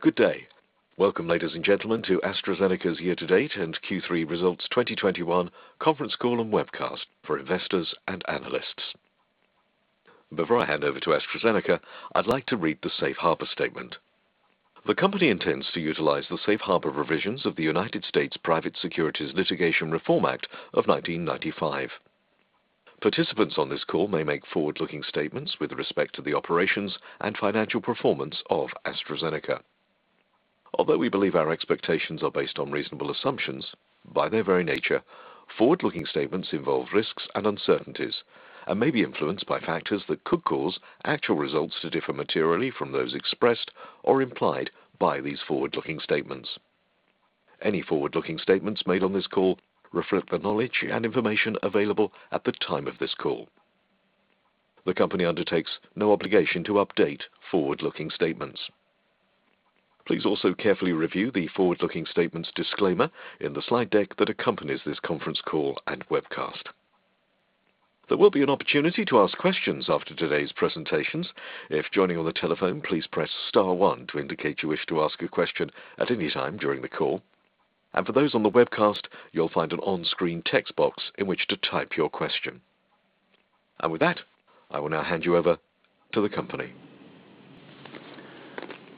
Good day. Welcome, ladies and gentlemen, to AstraZeneca's year-to-date and Q3 results 2021 conference call and webcast for investors and analysts. Before I hand over to AstraZeneca, I'd like to read the safe harbor statement. The company intends to utilize the safe harbor provisions of the United States Private Securities Litigation Reform Act of 1995. Participants on this call may make forward-looking statements with respect to the operations and financial performance of AstraZeneca. Although we believe our expectations are based on reasonable assumptions, by their very nature, forward-looking statements involve risks and uncertainties and may be influenced by factors that could cause actual results to differ materially from those expressed or implied by these forward-looking statements. Any forward-looking statements made on this call reflect the knowledge and information available at the time of this call. The company undertakes no obligation to update forward-looking statements. Please also carefully review the forward-looking statements disclaimer in the slide deck that accompanies this conference call and webcast. There will be an opportunity to ask questions after today's presentations. If joining on the telephone, please press star one to indicate you wish to ask a question at any time during the call. For those on the webcast, you'll find an on-screen text box in which to type your question. With that, I will now hand you over to the company.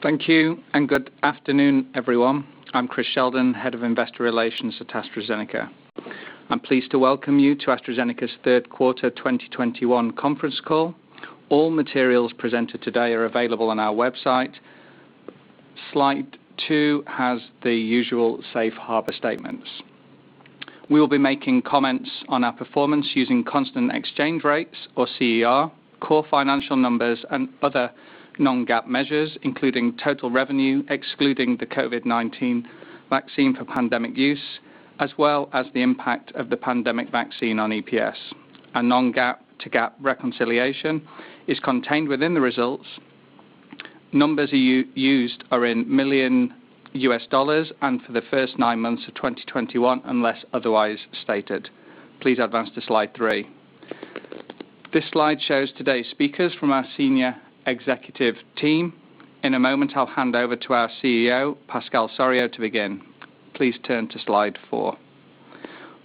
Thank you, and good afternoon, everyone. I'm Chris Sheldon, Head of Investor Relations at AstraZeneca. I'm pleased to welcome you to AstraZeneca's third quarter 2021 conference call. All materials presented today are available on our website. Slide two has the usual safe harbor statements. We will be making comments on our performance using constant exchange rates or CER, core financial numbers and other non-GAAP measures, including total revenue, excluding the COVID-19 vaccine for pandemic use, as well as the impact of the pandemic vaccine on EPS. A non-GAAP to GAAP reconciliation is contained within the results. Numbers used are in million U.S. dollars and for the first nine months of 2021, unless otherwise stated. Please advance to slide three. This slide shows today's speakers from our Senior Executive Team. In a moment, I'll hand over to our CEO, Pascal Soriot, to begin. Please turn to slide four.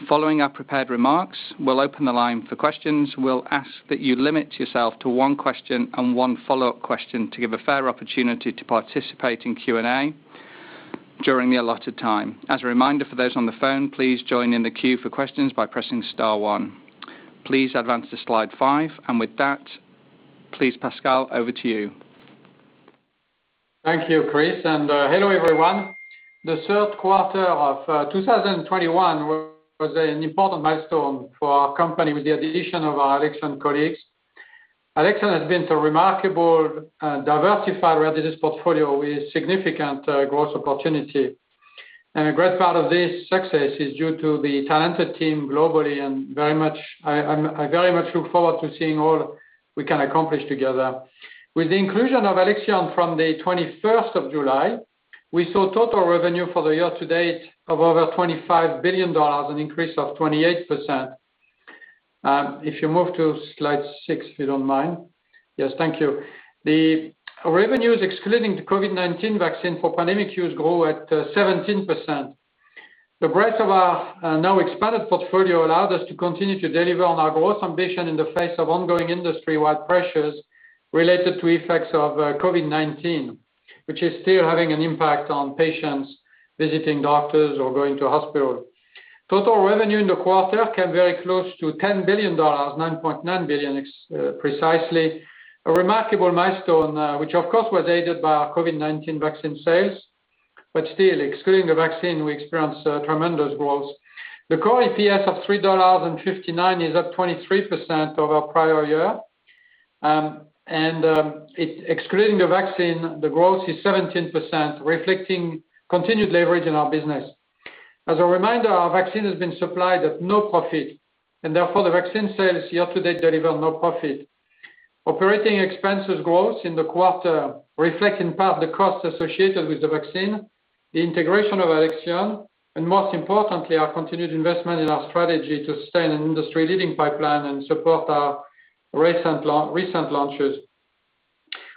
Following our prepared remarks, we'll open the line for questions. We'll ask that you limit yourself to one question and one follow-up question to give a fair opportunity to participate in Q&A during the allotted time. As a reminder for those on the phone, please join in the queue for questions by pressing star one. Please advance to slide five. With that, please, Pascal, over to you. Thank you, Chris, and hello, everyone. The third quarter of 2021 was an important milestone for our company with the addition of our Alexion colleagues. Alexion has been so remarkable and diversified rare diseases portfolio with significant growth opportunity. A great part of this success is due to the talented team globally and very much—I very much look forward to seeing all we can accomplish together. With the inclusion of Alexion from the 21st of July, we saw total revenue for the year-to-date of over $25 billion, an increase of 28%. If you move to slide six, if you don't mind. Yes, thank you. The revenues excluding the COVID-19 vaccine for pandemic use grew at 17%. The breadth of our now expanded portfolio allowed us to continue to deliver on our growth ambition in the face of ongoing industry-wide pressures related to effects of COVID-19, which is still having an impact on patients visiting doctors or going to hospital. Total revenue in the quarter came very close to $10 billion, $9.9 billion, precisely. A remarkable milestone, which of course was aided by our COVID-19 vaccine sales, but still, excluding the vaccine, we experienced tremendous growth. The core EPS of $3.59 is up 23% over prior year. Excluding the vaccine, the growth is 17%, reflecting continued leverage in our business. As a reminder, our vaccine has been supplied at no profit, and therefore, the vaccine sales year-to-date deliver no profit. Operating expenses growth in the quarter reflect, in part, the costs associated with the vaccine, the integration of Alexion, and most importantly, our continued investment in our strategy to sustain an industry-leading pipeline and support our recent launches.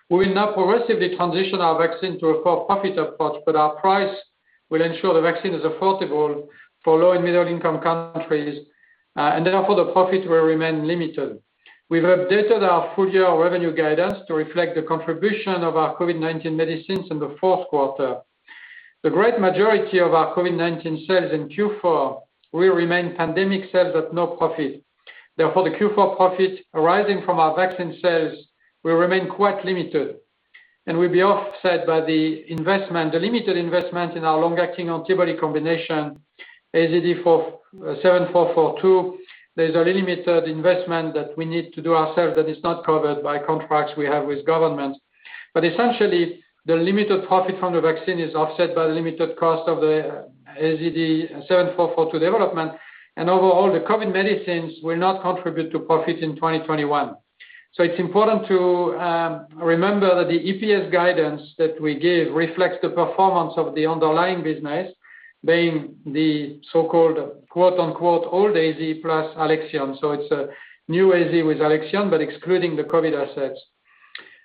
We will now progressively transition our vaccine to a for-profit approach, but our price will ensure the vaccine is affordable for low- and middle-income countries, and therefore, the profit will remain limited. We have updated our full-year revenue guidance to reflect the contribution of our COVID-19 medicines in the fourth quarter. The great majority of our COVID-19 sales in Q4 will remain pandemic sales at no profit. Therefore, the Q4 profit arising from our vaccine sales will remain quite limited and will be offset by the investment, the limited investment in our long-acting antibody combination, AZD7442. There's a limited investment that we need to do ourselves that is not covered by contracts we have with governments. Essentially, the limited profit from the vaccine is offset by the limited cost of the AZD7442 development. Overall, the COVID medicines will not contribute to profit in 2021. It's important to remember that the EPS guidance that we give reflects the performance of the underlying business, being the so-called, quote-unquote, "Old AZ plus Alexion." It's a new AZ with Alexion, but excluding the COVID assets.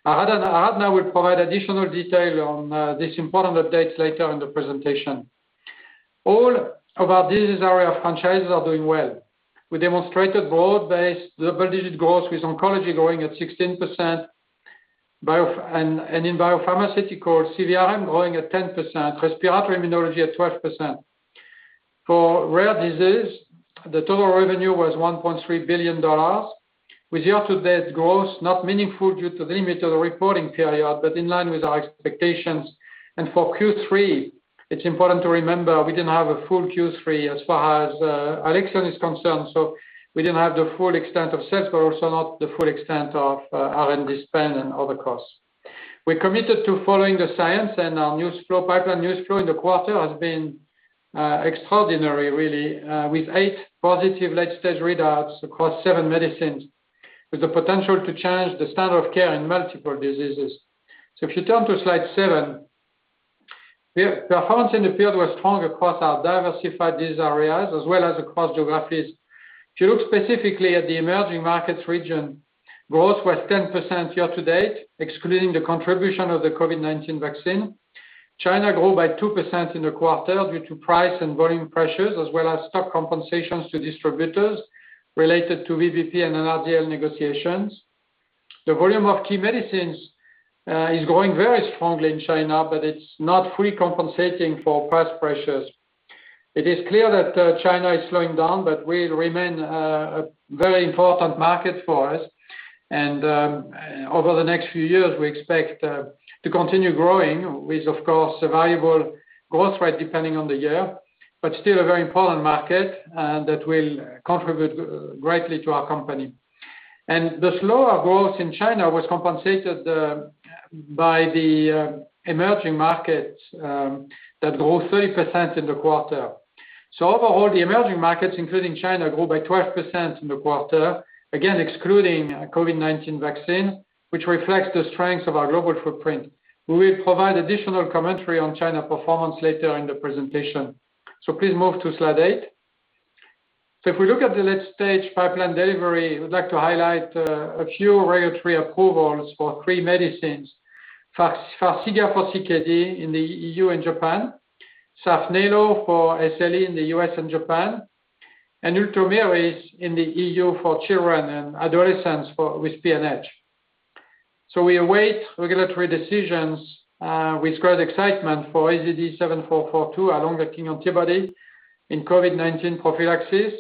Aradhna will provide additional detail on this important updates later in the presentation. All of our disease area franchises are doing well. We demonstrated broad-based double-digit growth, with Oncology growing at 16%, biopharmaceutical CVRM growing at 10%, respiratory immunology at 12%. For rare disease, the total revenue was $1.3 billion, with year-to-date growth not meaningful due to the limits of the reporting period, but in line with our expectations. For Q3, it's important to remember we didn't have a full Q3 as far as Alexion is concerned, so we didn't have the full extent of sales, but also not the full extent of R&D spend and other costs. We're committed to following the science and our news flow, pipeline news flow in the quarter has been extraordinary really with eight positive late-stage readouts across seven medicines, with the potential to change the standard of care in multiple diseases. If you turn to slide seven, we have performance in the field was strong across our diversified disease areas as well as across geographies. If you look specifically at the emerging markets region, growth was 10% year-to-date, excluding the contribution of the COVID-19 vaccine. China grew by 2% in the quarter due to price and volume pressures, as well as stock compensations to distributors related to VBP and NRDL negotiations. The volume of key medicines is growing very strongly in China, but it's not fully compensating for price pressures. It is clear that China is slowing down, but will remain a very important market for us. Over the next few years, we expect to continue growing with, of course, a valuable growth rate depending on the year, but still a very important market that will contribute greatly to our company. The slower growth in China was compensated by the emerging markets that grew 3% in the quarter. Overall, the emerging markets, including China, grew by 12% in the quarter, again, excluding COVID-19 vaccine, which reflects the strength of our global footprint. We will provide additional commentary on China performance later in the presentation. Please move to slide eight. If we look at the late-stage pipeline delivery, we'd like to highlight a few regulatory approvals for three medicines. FARXIGA for CKD in the EU and Japan, SAPHNELO for SLE in the U.S. and Japan, and ULTOMIRIS in the EU for children and adolescents with PNH. We await regulatory decisions with great excitement for AZD7442, our long-acting antibody in COVID-19 prophylaxis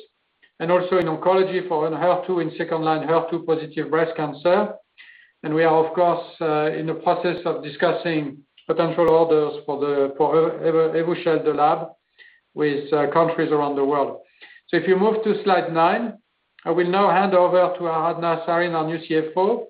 and also in Oncology for ENHERTU in second-line HER2 positive breast cancer. We are, of course, in the process of discussing potential orders for EVUSHELD with countries around the world. If you move to slide nine, I will now hand over to Aradhna Sarin, our new CFO,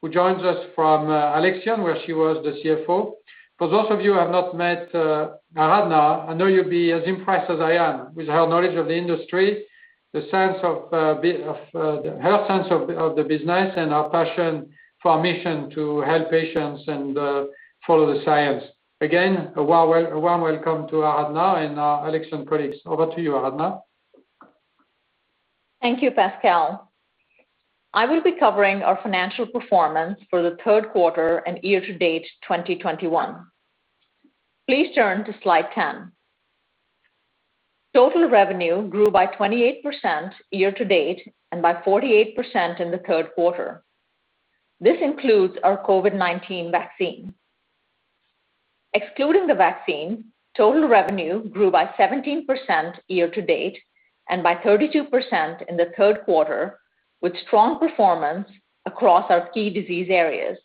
who joins us from Alexion, where she was the CFO. For those of you who have not met Aradhna, I know you'll be as impressed as I am with her knowledge of the industry, the sense of her sense of the business and her passion for our mission to help patients and follow the science. Again, a warm welcome to Aradhna and our Alexion colleagues. Over to you, Aradhna. Thank you, Pascal. I will be covering our financial performance for the third quarter and year-to-date 2021. Please turn to slide 10. Total revenue grew by 28% year-to-date and by 48% in the third quarter. This includes our COVID-19 vaccine. Excluding the vaccine, total revenue grew by 17% year-to-date and by 32% in the third quarter, with strong performance across our key disease areas.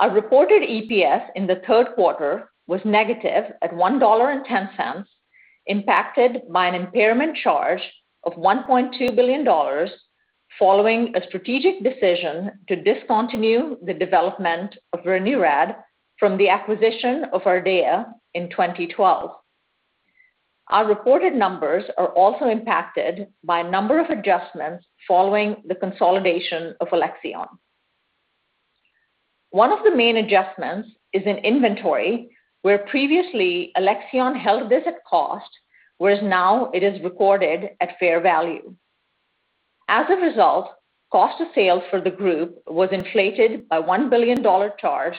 Our reported EPS in the third quarter was negative at $1.10, impacted by an impairment charge of $1.2 billion following a strategic decision to discontinue the development of verinurad from the acquisition of Ardea in 2012. Our reported numbers are also impacted by a number of adjustments following the consolidation of Alexion. One of the main adjustments is in inventory, where previously Alexion held this at cost, whereas now it is recorded at fair value. As a result, cost of sales for the group was inflated by a $1 billion charge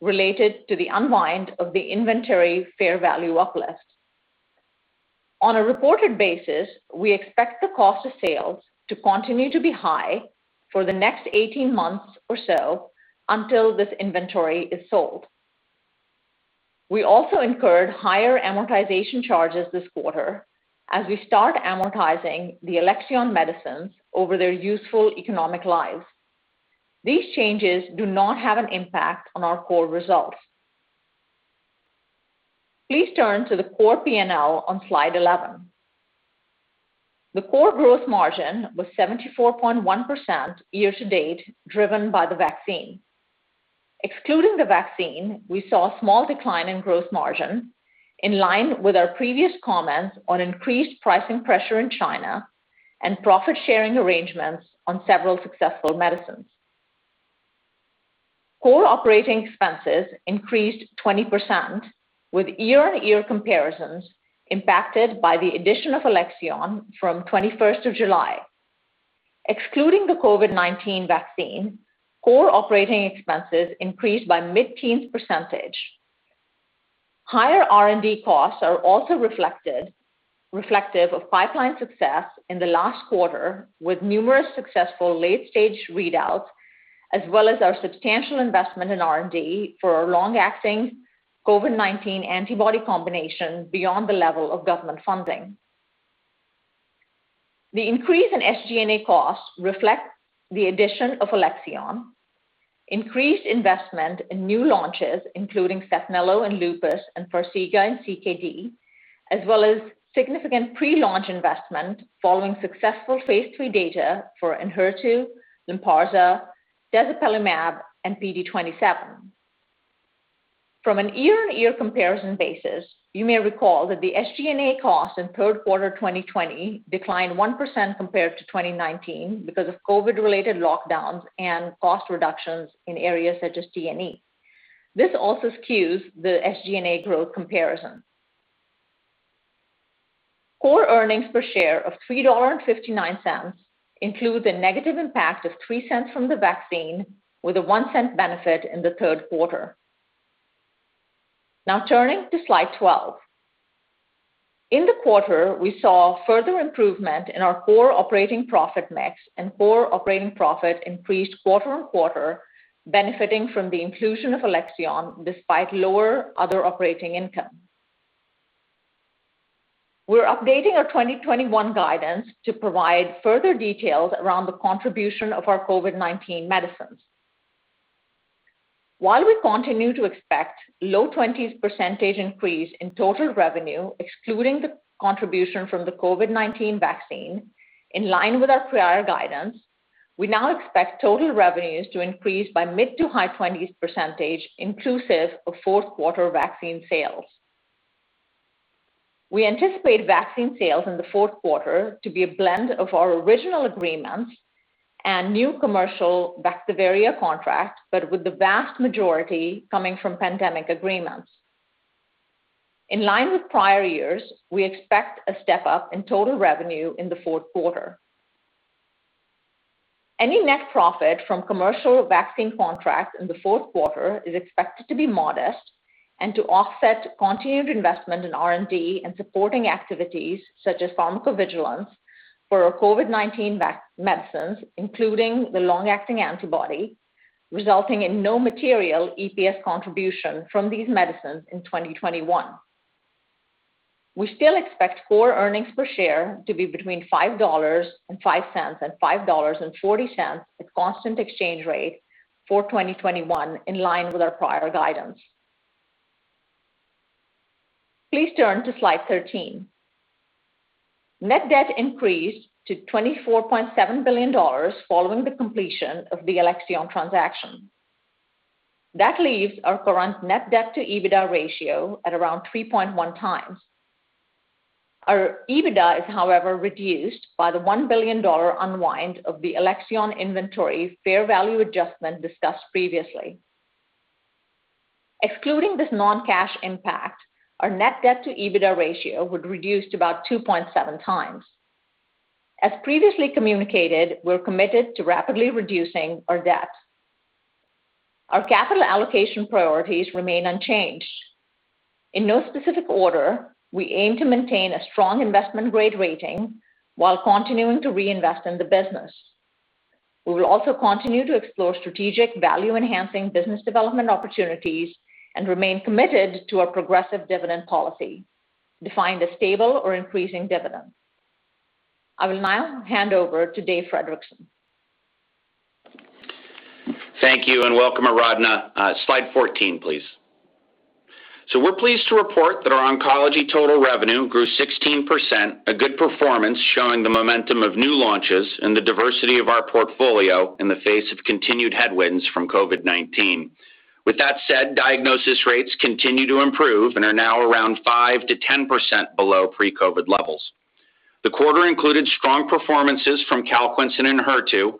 related to the unwind of the inventory fair value uplift. On a reported basis, we expect the cost of sales to continue to be high for the next 18 months or so until this inventory is sold. We also incurred higher amortization charges this quarter as we start amortizing the Alexion medicines over their useful economic lives. These changes do not have an impact on our core results. Please turn to the core P&L on slide 11. The core growth margin was 74.1% year-to-date, driven by the vaccine. Excluding the vaccine, we saw a small decline in growth margin in line with our previous comments on increased pricing pressure in China and profit-sharing arrangements on several successful medicines. Core operating expenses increased 20% with [year-on-year] comparisons impacted by the addition of Alexion from 21st of July. Excluding the COVID-19 vaccine, core operating expenses increased by mid-teens percentage. Higher R&D costs are also reflective of pipeline success in the last quarter, with numerous successful late-stage readouts, as well as our substantial investment in R&D for our long-acting COVID-19 antibody combination beyond the level of government funding. The increase in SG&A costs reflects the addition of Alexion, increased investment in new launches, including SAPHNELO in lupus and FARXIGA in CKD, as well as significant pre-launch investment following successful phase III data for ENHERTU, LYNPARZA, datopotamab, and PT027. From a year-over-year comparison basis, you may recall that the SG&A costs in third quarter of 2020 declined 1% compared to 2019 because of COVID-related lockdowns and cost reductions in areas such as T&E. This also skews the SG&A growth comparison. Core earnings per share of $3.59 include the negative impact of $0.03 from the vaccine with a $0.01 benefit in the third quarter. Now turning to slide 12. In the quarter, we saw further improvement in our core operating profit mix and core operating profit increased quarter-over-quarter, benefiting from the inclusion of Alexion despite lower other operating income. We're updating our 2021 guidance to provide further details around the contribution of our COVID-19 medicines. While we continue to expect low-20s percentage increase in total revenue, excluding the contribution from the COVID-19 vaccine, in line with our prior guidance, we now expect total revenues to increase by mid-to-high 20s percentage inclusive of fourth quarter vaccine sales. We anticipate vaccine sales in the fourth quarter to be a blend of our original agreements and new commercial Vaxzevria contract, but with the vast majority coming from pandemic agreements. In line with prior years, we expect a step-up in total revenue in the fourth quarter. Any net profit from commercial vaccine contracts in the fourth quarter is expected to be modest and to offset continued investment in R&D and supporting activities such as pharmacovigilance for our COVID-19 vaccine medicines, including the long-acting antibody, resulting in no material EPS contribution from these medicines in 2021. We still expect core earnings per share to be between $5.05 and $5.40 at constant exchange rate for 2021 in line with our prior guidance. Please turn to slide 13. Net debt increased to $24.7 billion following the completion of the Alexion transaction. That leaves our current net debt to EBITDA ratio at around 3.1x. Our EBITDA is, however, reduced by the $1 billion unwind of the Alexion inventory fair value adjustment discussed previously. Excluding this non-cash impact, our net debt to EBITDA ratio would reduce to about 2.7x. As previously communicated, we're committed to rapidly reducing our debt. Our capital allocation priorities remain unchanged. In no specific order, we aim to maintain a strong investment-grade rating while continuing to reinvest in the business. We will also continue to explore strategic value-enhancing business development opportunities and remain committed to our progressive dividend policy, defined as stable or increasing dividend. I will now hand over to Dave Fredrickson. Thank you, and welcome, Aradhana. Slide 14, please. We're pleased to report that our Oncology total revenue grew 16%, a good performance showing the momentum of new launches and the diversity of our portfolio in the face of continued headwinds from COVID-19. With that said, diagnosis rates continue to improve and are now around 5%-10% below pre-COVID levels. The quarter included strong performances from CALQUENCE and ENHERTU,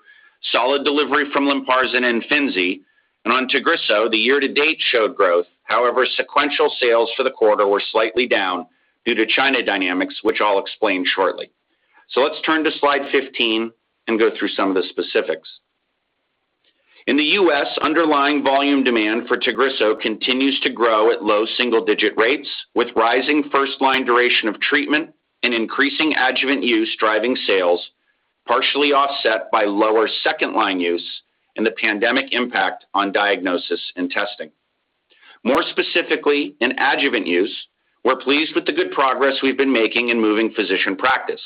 solid delivery from LYNPARZA and IMFINZI, and on TAGRISSO, the year-to-date showed growth. However, sequential sales for the quarter were slightly down due to China dynamics, which I'll explain shortly. Let's turn to slide 15 and go through some of the specifics. In the U.S., underlying volume demand for TAGRISSO continues to grow at low single-digit rates, with rising first-line duration of treatment and increasing adjuvant use driving sales partially offset by lower second-line use and the pandemic impact on diagnosis and testing. More specifically, in adjuvant use, we're pleased with the good progress we've been making in moving physician practice.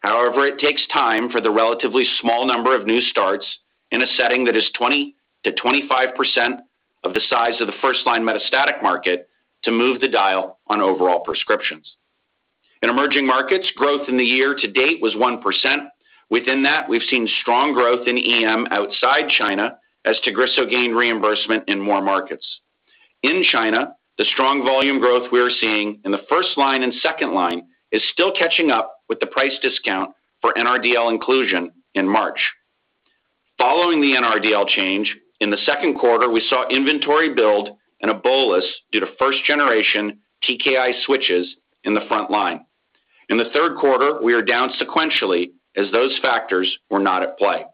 However, it takes time for the relatively small number of new starts in a setting that is 20%-25% of the size of the first-line metastatic market to move the dial on overall prescriptions. In emerging markets, growth in the year-to-date was 1%. Within that, we've seen strong growth in EM outside China as TAGRISSO gained reimbursement in more markets. In China, the strong volume growth we are seeing in the first line and second line is still catching up with the price discount for NRDL inclusion in March. Following the NRDL change, in the second quarter, we saw inventory build and a bolus due to first-generation TKI switches in the front line. In the third quarter, we are down sequentially as those factors were not at play.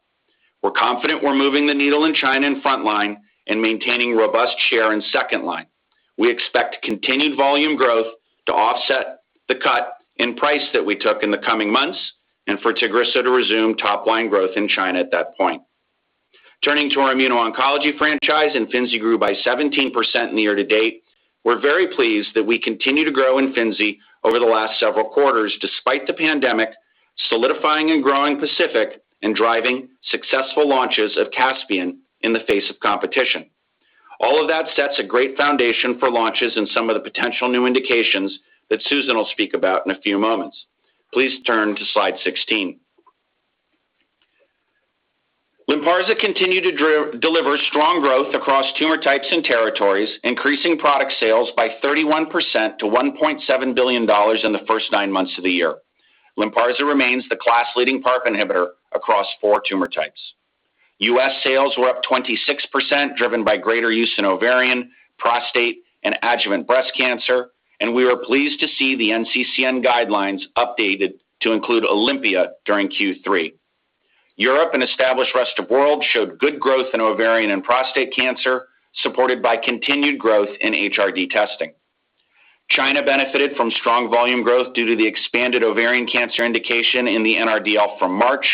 We're confident we're moving the needle in China in front line and maintaining robust share in second line. We expect continued volume growth to offset the cut in price that we took in the coming months and for TAGRISSO to resume top-line growth in China at that point. Turning to our Immuno-Oncology franchise, IMFINZI grew by 17% in the year-to-date. We're very pleased that we continue to grow IMFINZI over the last several quarters despite the pandemic, solidifying and growing PACIFIC and driving successful launches of CASPIAN in the face of competition. All of that sets a great foundation for launches in some of the potential new indications that Susan will speak about in a few moments. Please turn to slide 16. LYNPARZA continued to deliver strong growth across tumor types and territories, increasing product sales by 31% to $1.7 billion in the first nine months of the year. LYNPARZA remains the class-leading PARP inhibitor across four tumor types. U.S. sales were up 26%, driven by greater use in ovarian, prostate, and adjuvant breast cancer, and we were pleased to see the NCCN guidelines updated to include OlympiA during Q3. Europe and established rest of world showed good growth in ovarian and prostate cancer, supported by continued growth in HRD testing. China benefited from strong volume growth due to the expanded ovarian cancer indication in the NRDL from March,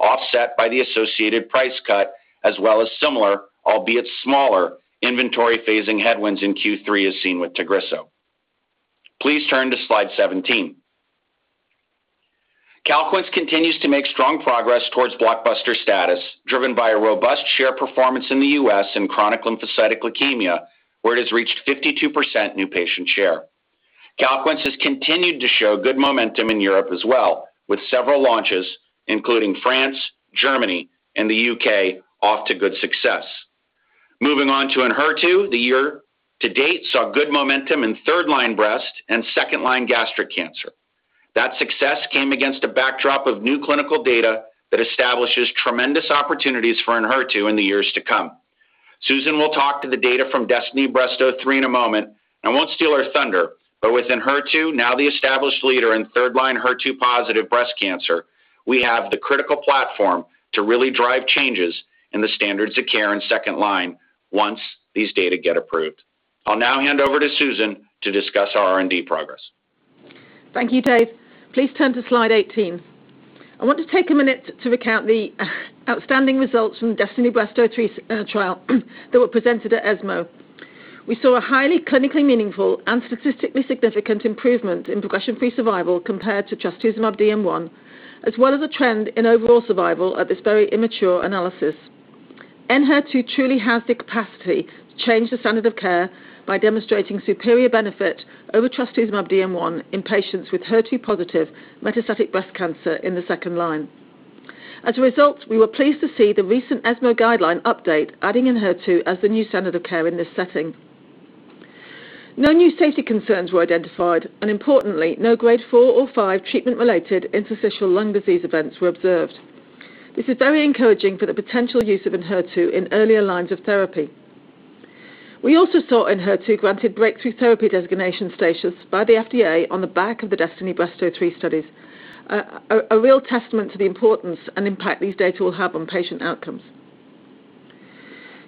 offset by the associated price cut as well as similar, albeit smaller, inventory phasing headwinds in Q3 as seen with TAGRISSO. Please turn to slide 17. CALQUENCE continues to make strong progress towards blockbuster status, driven by a robust share performance in the U.S. in chronic lymphocytic leukemia, where it has reached 52% new patient share. CALQUENCE has continued to show good momentum in Europe as well, with several launches, including France, Germany, and the U.K. off to good success. Moving on to ENHERTU, the year-to-date saw good momentum in third-line breast and second-line gastric cancer. That success came against a backdrop of new clinical data that establishes tremendous opportunities for ENHERTU in the years to come. Susan will talk to the data from DESTINY-Breast03 in a moment. I won't steal her thunder, but with ENHERTU, now the established leader in third-line HER2-positive breast cancer, we have the critical platform to really drive changes in the standards of care in second line once these data get approved. I'll now hand over to Susan to discuss our R&D progress. Thank you, Dave. Please turn to slide 18. I want to take a minute to recount the outstanding results from the DESTINY-Breast03 trial that were presented at ESMO. We saw a highly clinically meaningful and statistically significant improvement in progression-free survival compared to [trastuzumab DM1], as well as a trend in overall survival at this very immature analysis. ENHERTU truly has the capacity to change the standard of care by demonstrating superior benefit over [trastuzumab DM1] in patients with HER2-positive metastatic breast cancer in the second line. As a result, we were pleased to see the recent ESMO guideline update adding ENHERTU as the new standard of care in this setting. No new safety concerns were identified, and importantly, no Grade 4 or 5 treatment-related interstitial lung disease events were observed. This is very encouraging for the potential use of ENHERTU in earlier lines of therapy. We also saw ENHERTU granted breakthrough therapy designation status by the FDA on the back of the DESTINY-Breast03 studies. A real testament to the importance and impact these data will have on patient outcomes.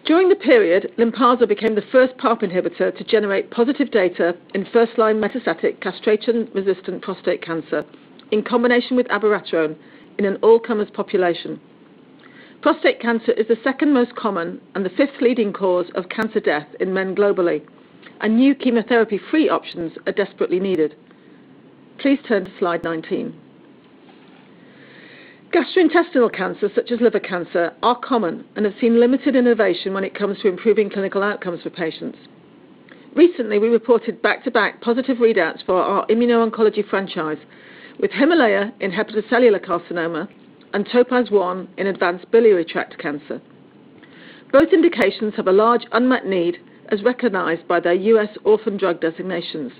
During the period, LYNPARZA became the first PARP inhibitor to generate positive data in first-line metastatic castration-resistant prostate cancer in combination with abiraterone in an all-comers population. Prostate cancer is the second most common and the fifth leading cause of cancer death in men globally, and new chemotherapy-free options are desperately needed. Please turn to slide 19. Gastrointestinal cancers such as liver cancer are common and have seen limited innovation when it comes to improving clinical outcomes for patients. Recently, we reported back-to-back positive readouts for our Immuno-Oncology franchise with HIMALAYA in hepatocellular carcinoma and TOPAZ-1 in advanced biliary tract cancer. Both indications have a large unmet need, as recognized by their U.S. Orphan Drug designations.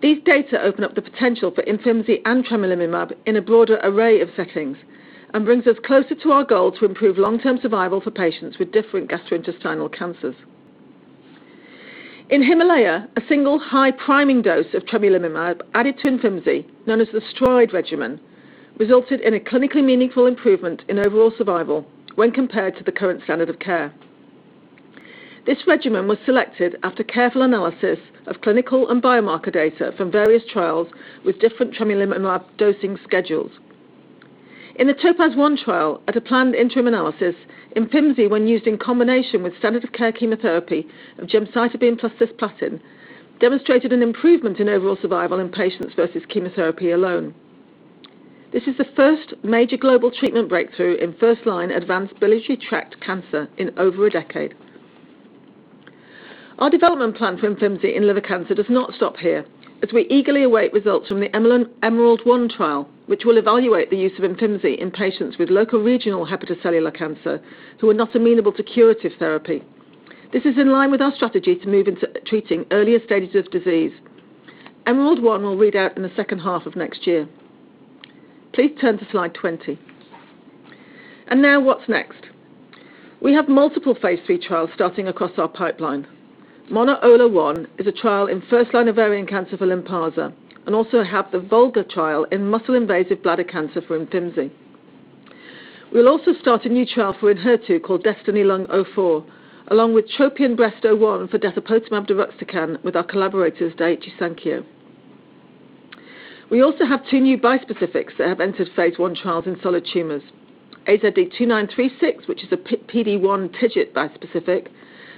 These data open up the potential for IMFINZI and tremelimumab in a broader array of settings and brings us closer to our goal to improve long-term survival for patients with different gastrointestinal cancers. In HIMALAYA, a single high priming dose of tremelimumab added to IMFINZI, known as the STRIDE regimen, resulted in a clinically meaningful improvement in overall survival when compared to the current standard of care. This regimen was selected after careful analysis of clinical and biomarker data from various trials with different tremelimumab dosing schedules. In the TOPAZ-1 trial, at a planned interim analysis, IMFINZI, when used in combination with standard of care chemotherapy of gemcitabine plus cisplatin, demonstrated an improvement in overall survival in patients versus chemotherapy alone. This is the first major global treatment breakthrough in first-line advanced biliary tract cancer in over a decade. Our development plan for IMFINZI in liver cancer does not stop here, as we eagerly await results from the EMERALD-1 trial, which will evaluate the use of IMFINZI in patients with local regional hepatocellular cancer who are not amenable to curative therapy. This is in line with our strategy to move into treating earlier stages of disease. EMERALD-1 will readout in the second half of next year. Please turn to slide 20. Now what's next? We have multiple phase III trials starting across our pipeline. PAOLA-1 is a trial in first-line ovarian cancer for LYNPARZA, and also have the VOLGA trial in muscle-invasive bladder cancer for IMFINZI. We'll also start a new trial for ENHERTU called DESTINY-Lung04, along with TROPION-Breast01 for datopotamab deruxtecan with our collaborators, Daiichi Sankyo. We also have two new bispecifics that have entered phase I trials in solid tumors. AZD2936, which is a PD-1/TIGIT bispecific,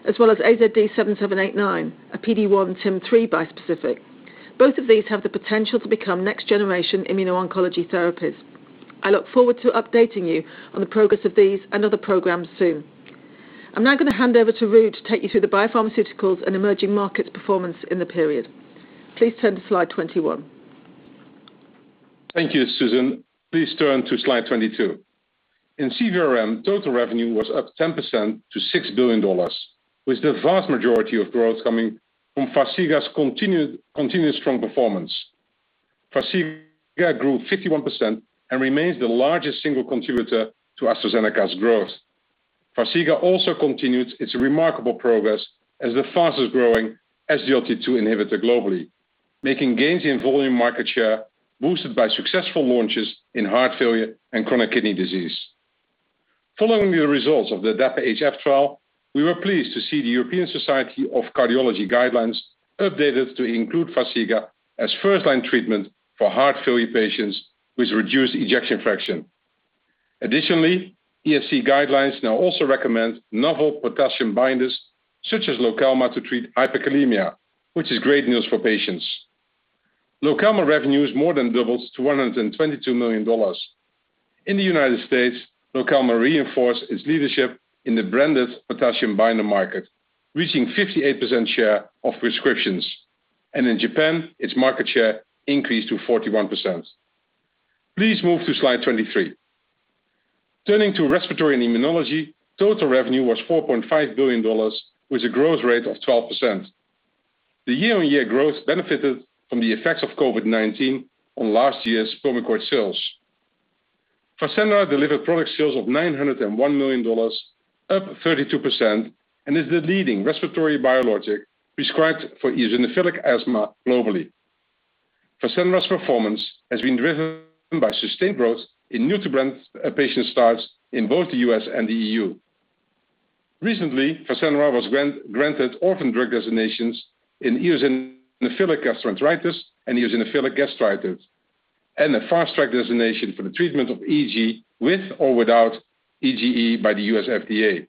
as well as AZD7789, a [PD-1 and TIM-3] bispecific. Both of these have the potential to become next-generation Immuno-Oncology therapies. I look forward to updating you on the progress of these and other programs soon. I'm now gonna hand over to Ruud to take you through the BioPharmaceuticals and Emerging Markets performance in the period. Please turn to slide 21. Thank you, Susan. Please turn to slide 22. In CVRM, total revenue was up 10% to $6 billion, with the vast majority of growth coming from FARXIGA's continued, continuous strong performance. FARXIGA grew 51% and remains the largest single contributor to AstraZeneca's growth. FARXIGA also continued its remarkable progress as the fastest-growing SGLT-2 inhibitor globally, making gains in volume market share boosted by successful launches in heart failure and chronic kidney disease. Following the results of the DAPA-HF trial, we were pleased to see the European Society of Cardiology guidelines updated to include FARXIGA as first-line treatment for heart failure patients with reduced ejection fraction. Additionally, ESC guidelines now also recommend novel potassium binders such as LOKELMA to treat hyperkalemia, which is great news for patients. LOKELMA revenue has more than doubled to $122 million. In the United States, LOKELMA reinforced its leadership in the branded potassium binder market, reaching 58% share of prescriptions. In Japan, its market share increased to 41%. Please move to slide 23. Turning to Respiratory & Immunology, total revenue was $4.5 billion, with a growth rate of 12%. The year-on-year growth benefited from the effects of COVID-19 on last year's PULMICORT sales. FASENRA delivered product sales of $901 million, up 32%, and is the leading respiratory biologic prescribed for eosinophilic asthma globally. FASENRA's performance has been driven by sustained growth in new-to-brand patient starts in both the U.S. and the EU. Recently, FASENRA was granted orphan drug designations in eosinophilic gastroenteritis and eosinophilic gastritis, and a Fast Track Designation for the treatment of EG with or without EGE by the U.S. FDA.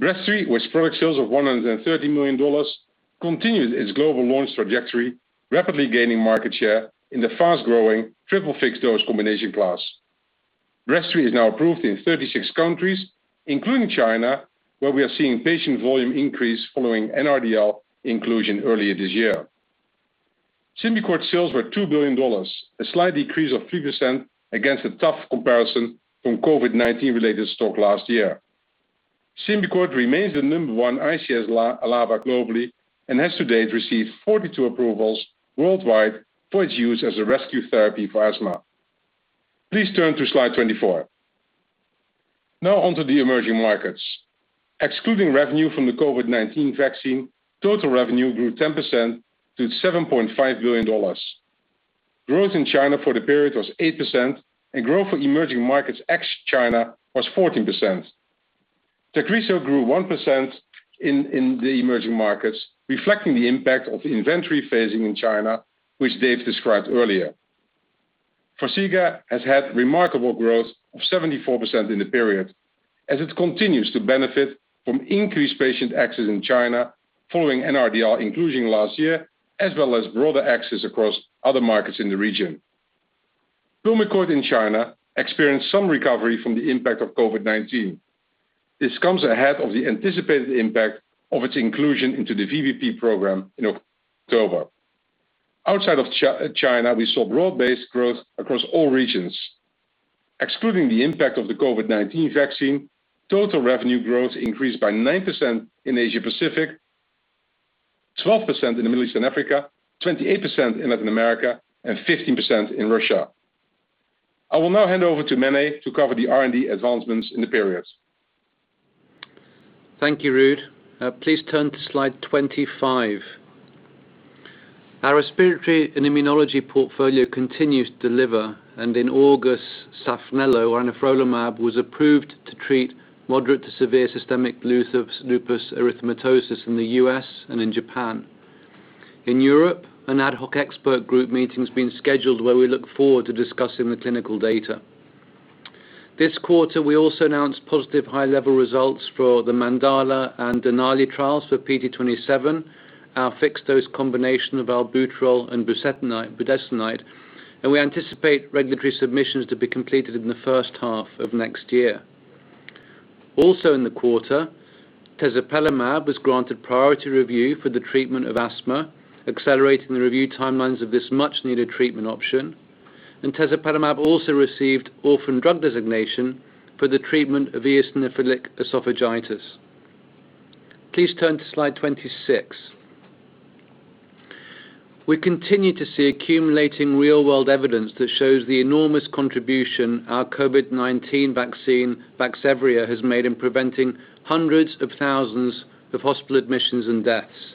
BREZTRI, with product sales of $130 million, continued its global launch trajectory, rapidly gaining market share in the fast-growing triple fixed-dose combination class. BREZTRI is now approved in 36 countries, including China, where we are seeing patient volume increase following NRDL inclusion earlier this year. SYMBICORT sales were $2 billion, a slight decrease of 3% against a tough comparison from COVID-19-related stock last year. SYMBICORT remains the number one ICS/LABA globally and has to date received 42 approvals worldwide for its use as a rescue therapy for asthma. Please turn to slide 24. Now on to the emerging markets. Excluding revenue from the COVID-19 vaccine, total revenue grew 10% to $7.5 billion. Growth in China for the period was 8%, and growth for emerging markets ex China was 14%. TAGRISSO grew 1% in the emerging markets, reflecting the impact of the inventory phasing in China, which Dave described earlier. FARXIGA has had remarkable growth of 74% in the period as it continues to benefit from increased patient access in China following NRDL inclusion last year, as well as broader access across other markets in the region. PULMICORT in China experienced some recovery from the impact of COVID-19. This comes ahead of the anticipated impact of its inclusion into the VBP program in October. Outside of China, we saw broad-based growth across all regions. Excluding the impact of the COVID-19 vaccine, total revenue growth increased by 9% in Asia Pacific, 12% in the Middle East and Africa, 28% in Latin America, and 15% in Russia. I will now hand over to Mene to cover the R&D advancements in the periods. Thank you, Ruud. Please turn to slide 25. Our Respiratory & Immunology portfolio continues to deliver, and in August, SAPHNELO or anifrolumab was approved to treat moderate to severe systemic lupus erythematosus in the U.S. and in Japan. In Europe, an ad hoc expert group meeting's been scheduled, where we look forward to discussing the clinical data. This quarter, we also announced positive high-level results for the MANDALA and DENALI trials for PT027, our fixed-dose combination of albuterol and budesonide. We anticipate regulatory submissions to be completed in the first half of next year. Also in the quarter, tezepelumab was granted priority review for the treatment of asthma, accelerating the review timelines of this much-needed treatment option. Tezepelumab also received orphan drug designation for the treatment of eosinophilic esophagitis. Please turn to slide 26. We continue to see accumulating real-world evidence that shows the enormous contribution our COVID-19 vaccine, Vaxzevria, has made in preventing hundreds of thousands of hospital admissions and deaths,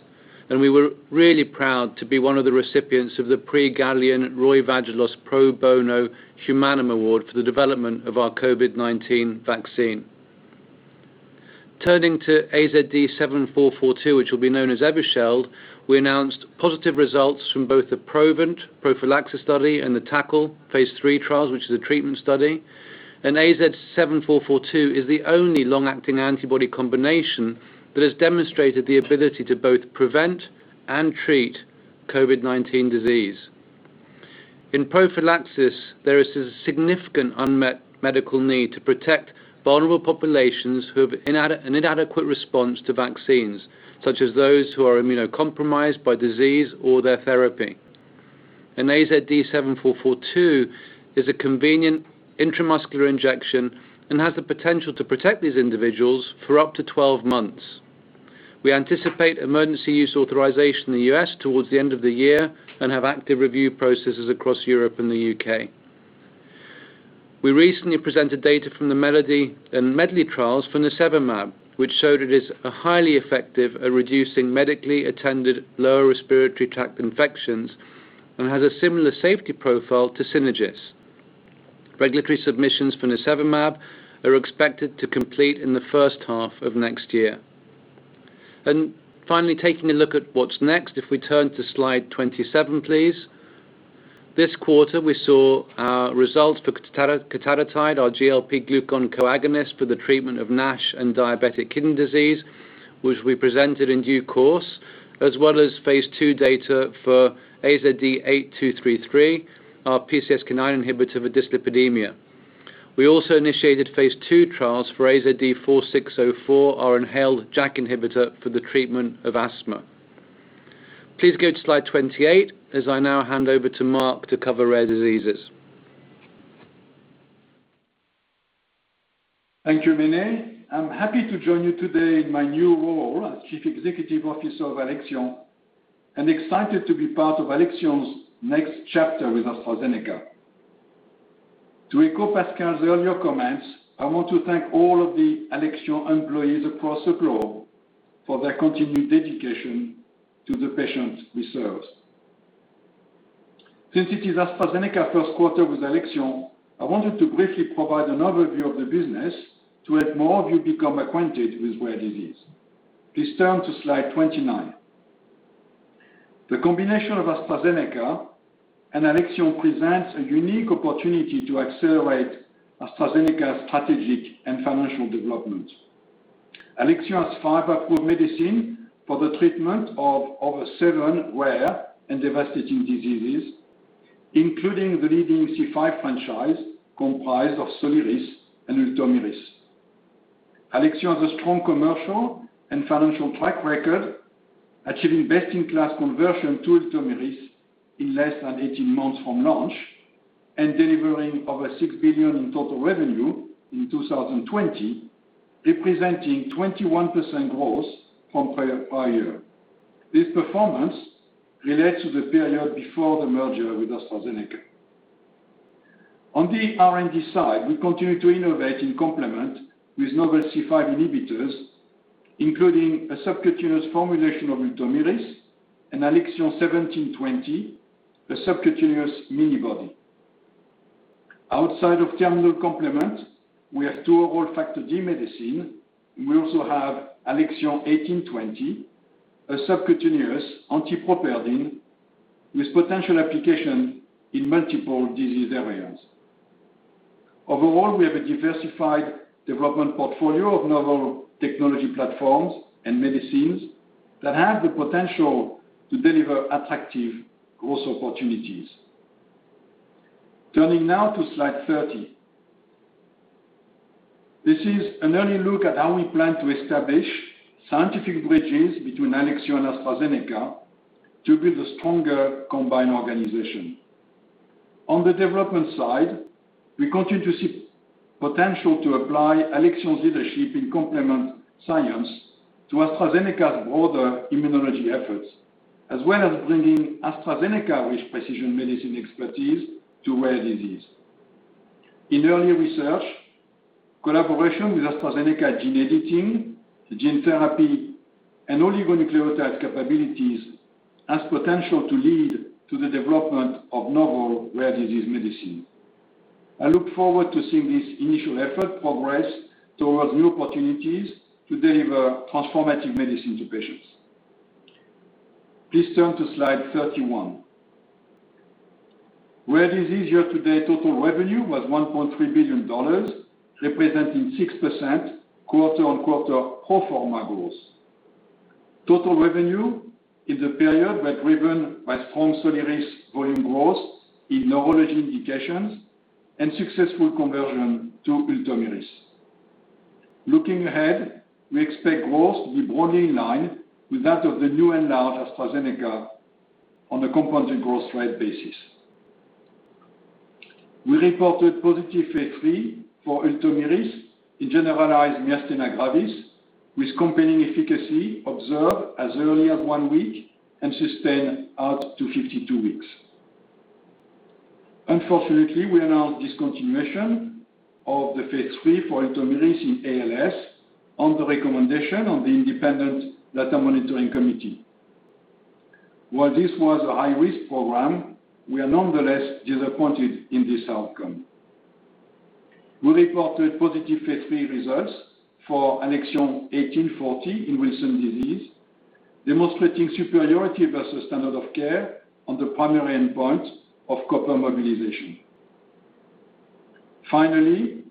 and we were really proud to be one of the recipients of the Prix Galien Roy Vagelos Pro Bono Humanum Award for the development of our COVID-19 vaccine. Turning to AZD7442, which will be known as EVUSHELD, we announced positive results from both the PROVENT, prophylaxis study, and the TACKLE phase III trials, which is a treatment study. AZD7442 is the only long-acting antibody combination that has demonstrated the ability to both prevent and treat COVID-19 disease. In prophylaxis, there is a significant unmet medical need to protect vulnerable populations who have inadequate response to vaccines, such as those who are immunocompromised by disease or their therapy. AZD7442 is a convenient intramuscular injection and has the potential to protect these individuals for up to 12 months. We anticipate emergency use authorization in the U.S. towards the end of the year and have active review processes across Europe and the U.K. We recently presented data from the MELODY and MEDLEY trials for nirsevimab, which showed it is highly effective at reducing medically attended lower respiratory tract infections and has a similar safety profile to SYNAGIS. Regulatory submissions for nirsevimab are expected to complete in the first half of next year. Finally, taking a look at what's next, if we turn to slide 27, please. This quarter, we saw our results for cotadutide, our GLP glucagon agonist for the treatment of NASH and diabetic kidney disease, which we presented in due course, as well as phase II data for AZD8233, our PCSK9 inhibitor for dyslipidemia. We also initiated phase II trials for AZD4604, our inhaled JAK inhibitor for the treatment of asthma. Please go to slide 28 as I now hand over to Marc to cover rare diseases. Thank you, Mene. I'm happy to join you today in my new role as Chief Executive Officer of Alexion and excited to be part of Alexion's next chapter with AstraZeneca. To echo Pascal's earlier comments, I want to thank all of the Alexion employees across the globe for their continued dedication to the patients we serve. Since it is AstraZeneca's first quarter with Alexion, I wanted to briefly provide an overview of the business to help more of you become acquainted with rare disease. Please turn to slide 29. The combination of AstraZeneca and Alexion presents a unique opportunity to accelerate AstraZeneca's strategic and financial development. Alexion has five approved medicine for the treatment of over seven rare and devastating diseases, including the leading C5 franchise comprised of SOLIRIS and ULTOMIRIS. Alexion has a strong commercial and financial track record, achieving best-in-class conversion to ULTOMIRIS in less than 18 months from launch and delivering over $6 billion in total revenue in 2020, representing 21% growth from prior year. This performance relates to the period before the merger with AstraZeneca. On the R&D side, we continue to innovate in complement with novel C5 inhibitors, including a subcutaneous formulation of ULTOMIRIS and ALXN1720, a subcutaneous minibody. Outside of terminal complement, we have two oral Factor D medicines, and we also have ALXN1820, a subcutaneous anti-properdin with potential application in multiple disease areas. Overall, we have a diversified development portfolio of novel technology platforms and medicines that have the potential to deliver attractive growth opportunities. Turning now to slide 30. This is an early look at how we plan to establish scientific bridges between Alexion and AstraZeneca to build a stronger combined organization. On the development side, we continue to see potential to apply Alexion's leadership in complement science to AstraZeneca's broader Immunology efforts, as well as bringing AstraZeneca-rich precision medicine expertise to rare disease. In early research, collaboration with AstraZeneca gene editing, gene therapy, and oligonucleotide capabilities has potential to lead to the development of novel rare disease medicine. I look forward to seeing this initial effort progress towards new opportunities to deliver transformative medicine to patients. Please turn to slide 31. Rare disease year-to-date total revenue was $1.3 billion, representing 6% quarter-on-quarter pro forma growth. Total revenue in the period were driven by strong SOLIRIS volume growth in neurology indications and successful conversion to ULTOMIRIS. Looking ahead, we expect growth to be broadly in line with that of the new enlarged AstraZeneca on a compounded growth rate basis. We reported positive phase III for ULTOMIRIS in generalized myasthenia gravis, with compelling efficacy observed as early as one week and sustained out to 52 weeks. Unfortunately, we announced discontinuation of the phase III for ULTOMIRIS in ALS on the recommendation of the independent data monitoring committee. While this was a high-risk program, we are nonetheless disappointed in this outcome. We reported positive phase III results for ALXN1840 in Wilson disease, demonstrating superiority versus standard of care on the primary endpoint of copper mobilization. Finally,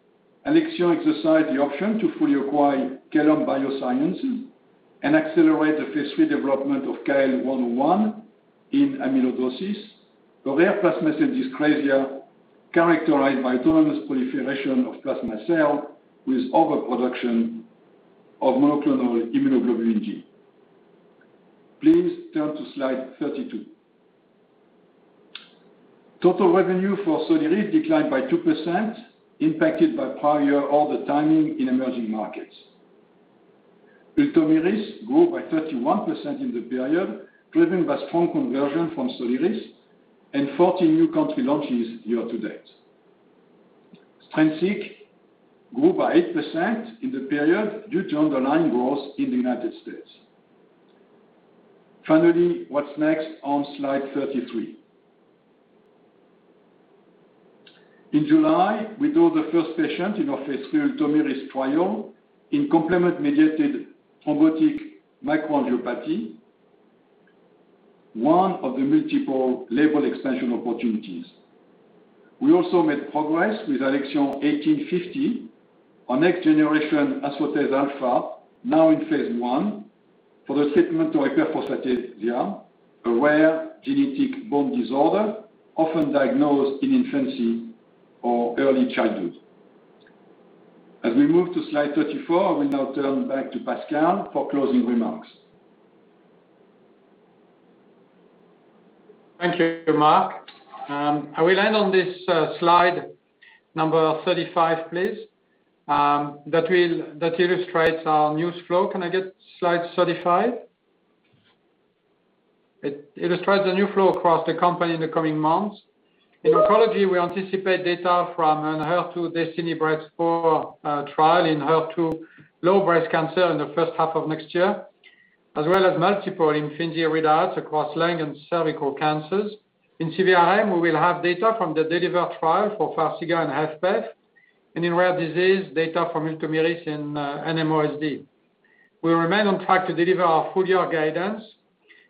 Alexion exercised the option to fully acquire Caelum Biosciences and accelerate the phase III development of CAEL-101 in amyloidosis, a rare plasma cell dyscrasia characterized by autonomous proliferation of plasma cells with overproduction of monoclonal immunoglobulin G. Please turn to slide 32. Total revenue for SOLIRIS declined by 2%, impacted by prior order timing in emerging markets. ULTOMIRIS grew by 31% in the period, driven by strong conversion from SOLIRIS and 14 new country launches year-to-date. STRENSIQ grew by 8% in the period due to underlying growth in the United States. Finally, what's next on slide 33. In July, we drew the first patient in our phase III ULTOMIRIS trial in complement-mediated thrombotic microangiopathy, one of the multiple label expansion opportunities. We also made progress with ALXN1850, our next-generation asfotase alfa, now in phase I for the treatment of hypophosphatasia, a rare genetic bone disorder often diagnosed in infancy or early childhood. As we move to slide 34, I will now turn back to Pascal for closing remarks. Thank you, Marc. I will end on this slide 35, please, that illustrates our news flow. Can I get slide 35? It illustrates the news flow across the company in the coming months. In Oncology, we anticipate data from a HER2 DESTINY-Breast04 trial in HER2-low breast cancer in the first half of next year, as well as multiple IMFINZI readouts across lung and cervical cancers. In CVRM, we will have data from the DELIVER trial for FARXIGA and HFpEF, and in rare disease, data from ULTOMIRIS in NMOSD. We remain on track to deliver our full-year guidance,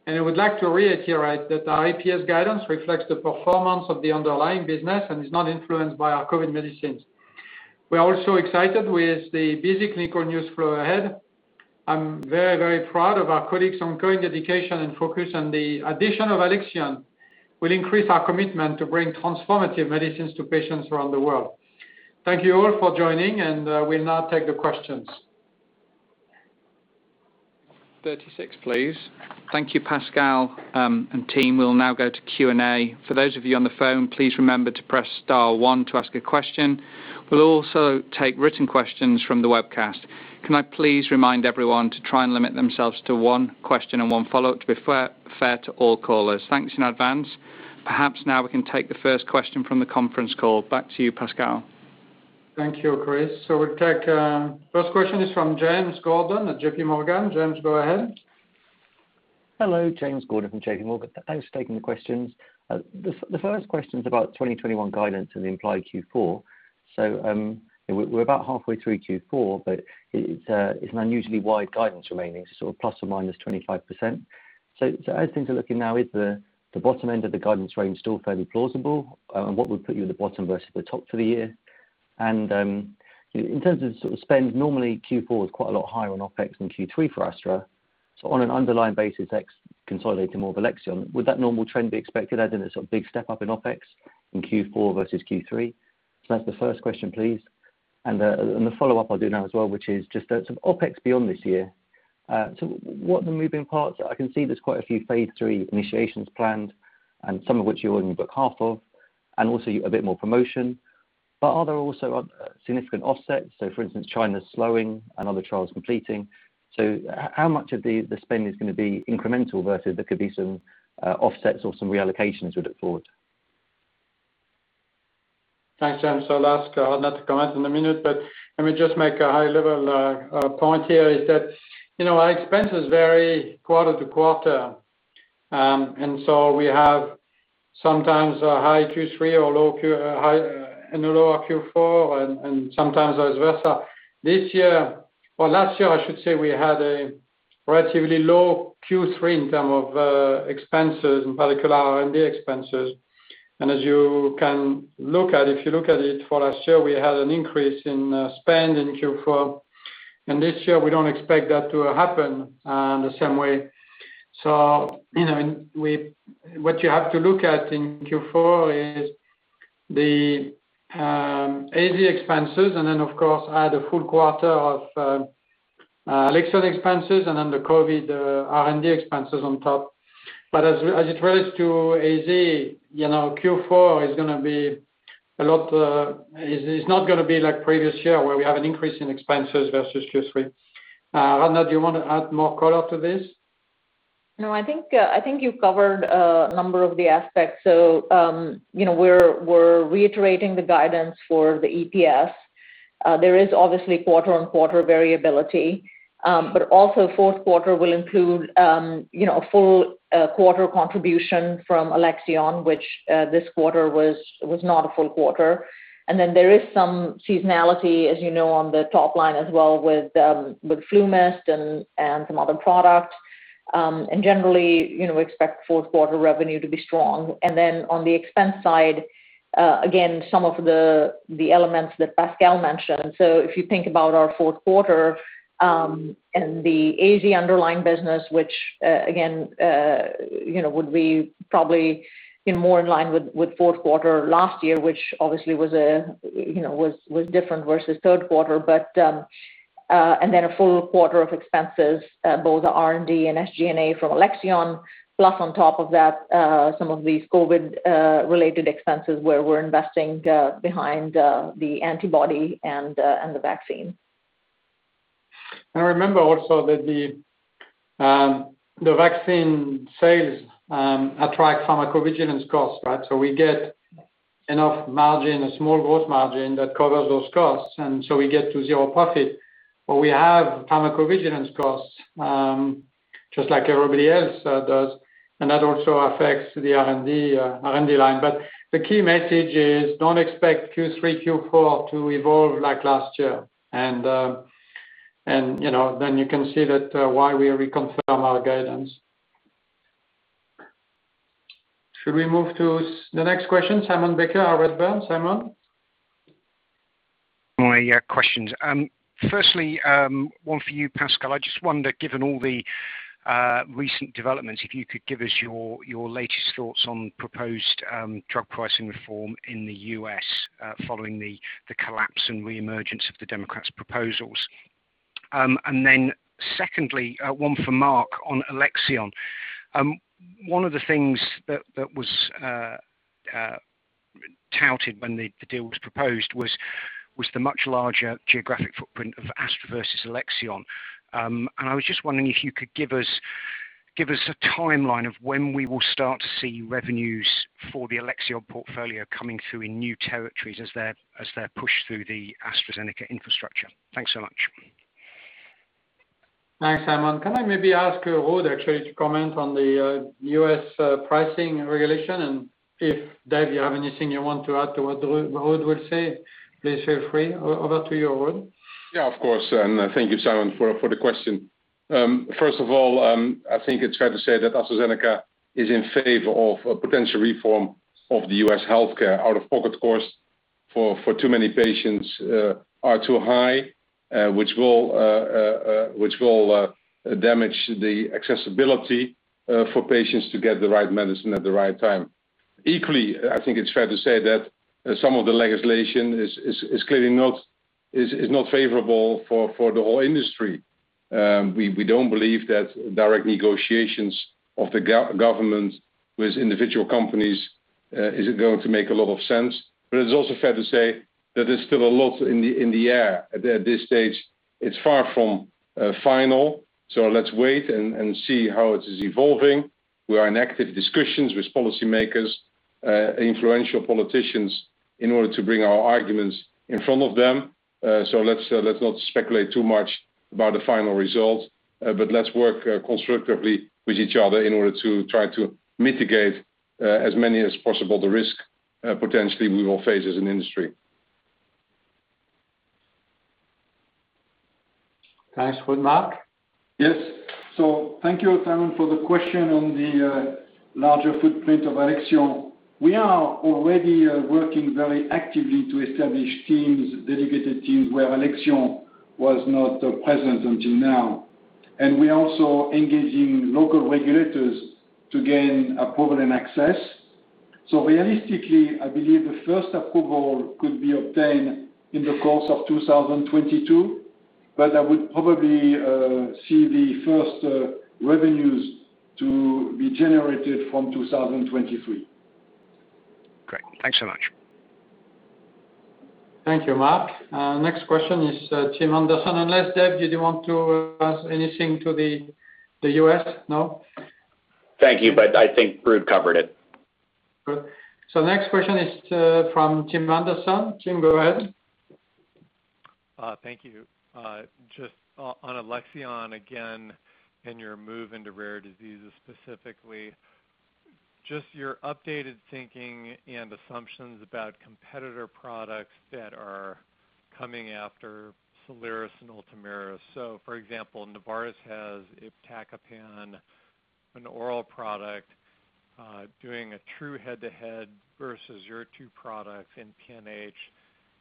and I would like to reiterate that our EPS guidance reflects the performance of the underlying business and is not influenced by our COVID medicines. We are also excited with the busy clinical news flow ahead. I'm very, very proud of our colleagues' ongoing dedication and focus, and the addition of Alexion will increase our commitment to bring transformative medicines to patients around the world. Thank you all for joining, and we'll now take the questions. 36, please. Thank you, Pascal, and team. We'll now go to Q&A. For those of you on the phone, please remember to press star one to ask a question. We'll also take written questions from the webcast. Can I please remind everyone to try and limit themselves to one question and one follow-up to be fair to all callers? Thanks in advance. Perhaps now we can take the first question from the conference call. Back to you, Pascal. Thank you, Chris. We'll take first question is from James Gordon at JPMorgan. James, go ahead. Hello. James Gordon from JPMorgan. Thanks for taking the questions. The first question is about 2021 guidance and the implied Q4. We're about halfway through Q4, but it's an unusually wide guidance remaining, so ±25%. As things are looking now, is the bottom end of the guidance range still fairly plausible? What would put you at the bottom versus the top for the year? In terms of sort of spend, normally Q4 is quite a lot higher on OpEx than Q3 for Astra. On an underlying basis, ex consolidating more of Alexion, would that normal trend be expected, adding a sort of big step-up in OpEx in Q4 versus Q3? That's the first question, please. The follow-up I'll do now as well, which is just some OpEx beyond this year. What are the moving parts? I can see there's quite a few phase III initiations planned, and some of which you only book half of, and also a bit more promotion. Are there also significant offsets? For instance, China's slowing and other trials completing. How much of the spend is gonna be incremental versus there could be some offsets or some reallocations would afford? Thanks, James. I'll ask Aradhana to comment in a minute, but let me just make a high-level point here is that, you know, our expenses vary quarter to quarter. And so we have sometimes a high Q3 or high and a lower Q4, and sometimes vice versa. This year, or last year, I should say, we had a relatively low Q3 in terms of expenses, in particular R&D expenses. As you can look at, if you look at it for last year, we had an increase in spend in Q4. This year, we don't expect that to happen the same way. What you have to look at in Q4 is the AZ expenses and then, of course, add a full quarter of Alexion expenses and then the COVID R&D expenses on top. As it relates to AZ, you know, Q4 is gonna be a lot, is not gonna be like previous year where we have an increase in expenses versus Q3. Aradhna, do you wanna add more color to this? No, I think you've covered a number of the aspects. You know, we're reiterating the guidance for the EPS. There is obviously quarter-on-quarter variability. Fourth quarter will include you know, a full quarter contribution from Alexion, which this quarter was not a full quarter. There is some seasonality, as you know, on the top line as well with FluMist and some other products. Generally, you know, expect fourth quarter revenue to be strong. On the expense side, again, some of the elements that Pascal mentioned. If you think about our fourth quarter and the AZ underlying business, which again you know would be probably you know more in line with fourth quarter last year, which obviously was different versus third quarter. And then a full quarter of expenses both the R&D and SG&A from Alexion. Plus on top of that some of these COVID related expenses where we're investing behind the antibody and the vaccine. Remember also that the vaccine sales attract pharmacovigilance costs, right? So we get enough margin, a small gross margin that covers those costs. So we get to zero profit, but we have pharmacovigilance costs just like everybody else does. That also affects the R&D line. The key message is don't expect Q3, Q4 to evolve like last year. You know, then you can see why we reconfirm our guidance. Should we move to the next question, Simon Baker, Redburn. Simon? My questions. Firstly, one for you, Pascal. I just wonder, given all the recent developments, if you could give us your latest thoughts on proposed drug pricing reform in the U.S., following the collapse and reemergence of the Democrats' proposals. Secondly, one for Marc on Alexion. One of the things that was touted when the deal was proposed was the much larger geographic footprint of Astra versus Alexion. I was just wondering if you could give us a timeline of when we will start to see revenues for the Alexion portfolio coming through in new territories as they're pushed through the AstraZeneca infrastructure. Thanks so much. Thanks, Simon. Can I maybe ask Ruud actually to comment on the U.S. pricing regulation? If Dave, you have anything you want to add to what Ruud will say, please feel free. Over to you, Ruud. Yeah, of course. Thank you, Simon, for the question. First of all, I think it's fair to say that AstraZeneca is in favor of a potential reform of the U.S. healthcare. Out-of-pocket costs for too many patients are too high, which will damage the accessibility for patients to get the right medicine at the right time. Equally, I think it's fair to say that some of the legislation is clearly not—is not favorable for the whole industry. We don't believe that direct negotiations of the government with individual companies is going to make a lot of sense. It's also fair to say that there's still a lot in the air at this stage. It's far from final, so let's wait and see how it is evolving. We are in active discussions with policymakers, influential politicians in order to bring our arguments in front of them. Let's not speculate too much about the final results, but let's work constructively with each other in order to try to mitigate as many as possible the risk potentially we will face as an industry. Thanks. Ruud. Marc? Yes. Thank you, Simon, for the question on the larger footprint of Alexion. We are already working very actively to establish teams, dedicated teams, where Alexion was not present until now. We're also engaging local regulators to gain approval and access. Realistically, I believe the first approval could be obtained in the course of 2022, but I would probably see the first revenues to be generated from 2023. Great. Thanks so much. Thank you, Marc. Next question is Tim Anderson. Unless, Dave, you do want to add anything to the U.S.? No? Thank you, but I think Ruud covered it. Good. Next question is, from Tim Anderson. Tim, go ahead. Thank you. Just on Alexion again, and your move into rare diseases specifically, just your updated thinking and assumptions about competitor products that are coming after SOLIRIS and ULTOMIRIS. For example, Novartis has iptacopan, an oral product, doing a true head-to-head versus your two products in PNH.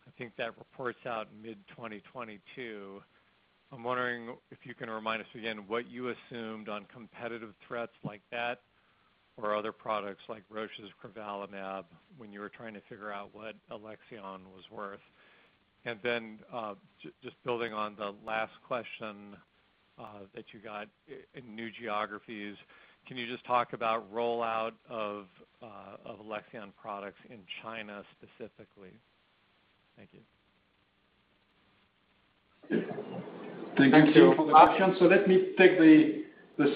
I think that reports out mid-2022. I'm wondering if you can remind us again what you assumed on competitive threats like that. Or other products like Roche's crovalimab when you were trying to figure out what Alexion was worth. And then, just building on the last question that you got in new geographies, can you just talk about rollout of Alexion products in China specifically? Thank you. Thank you for the question. Let me take the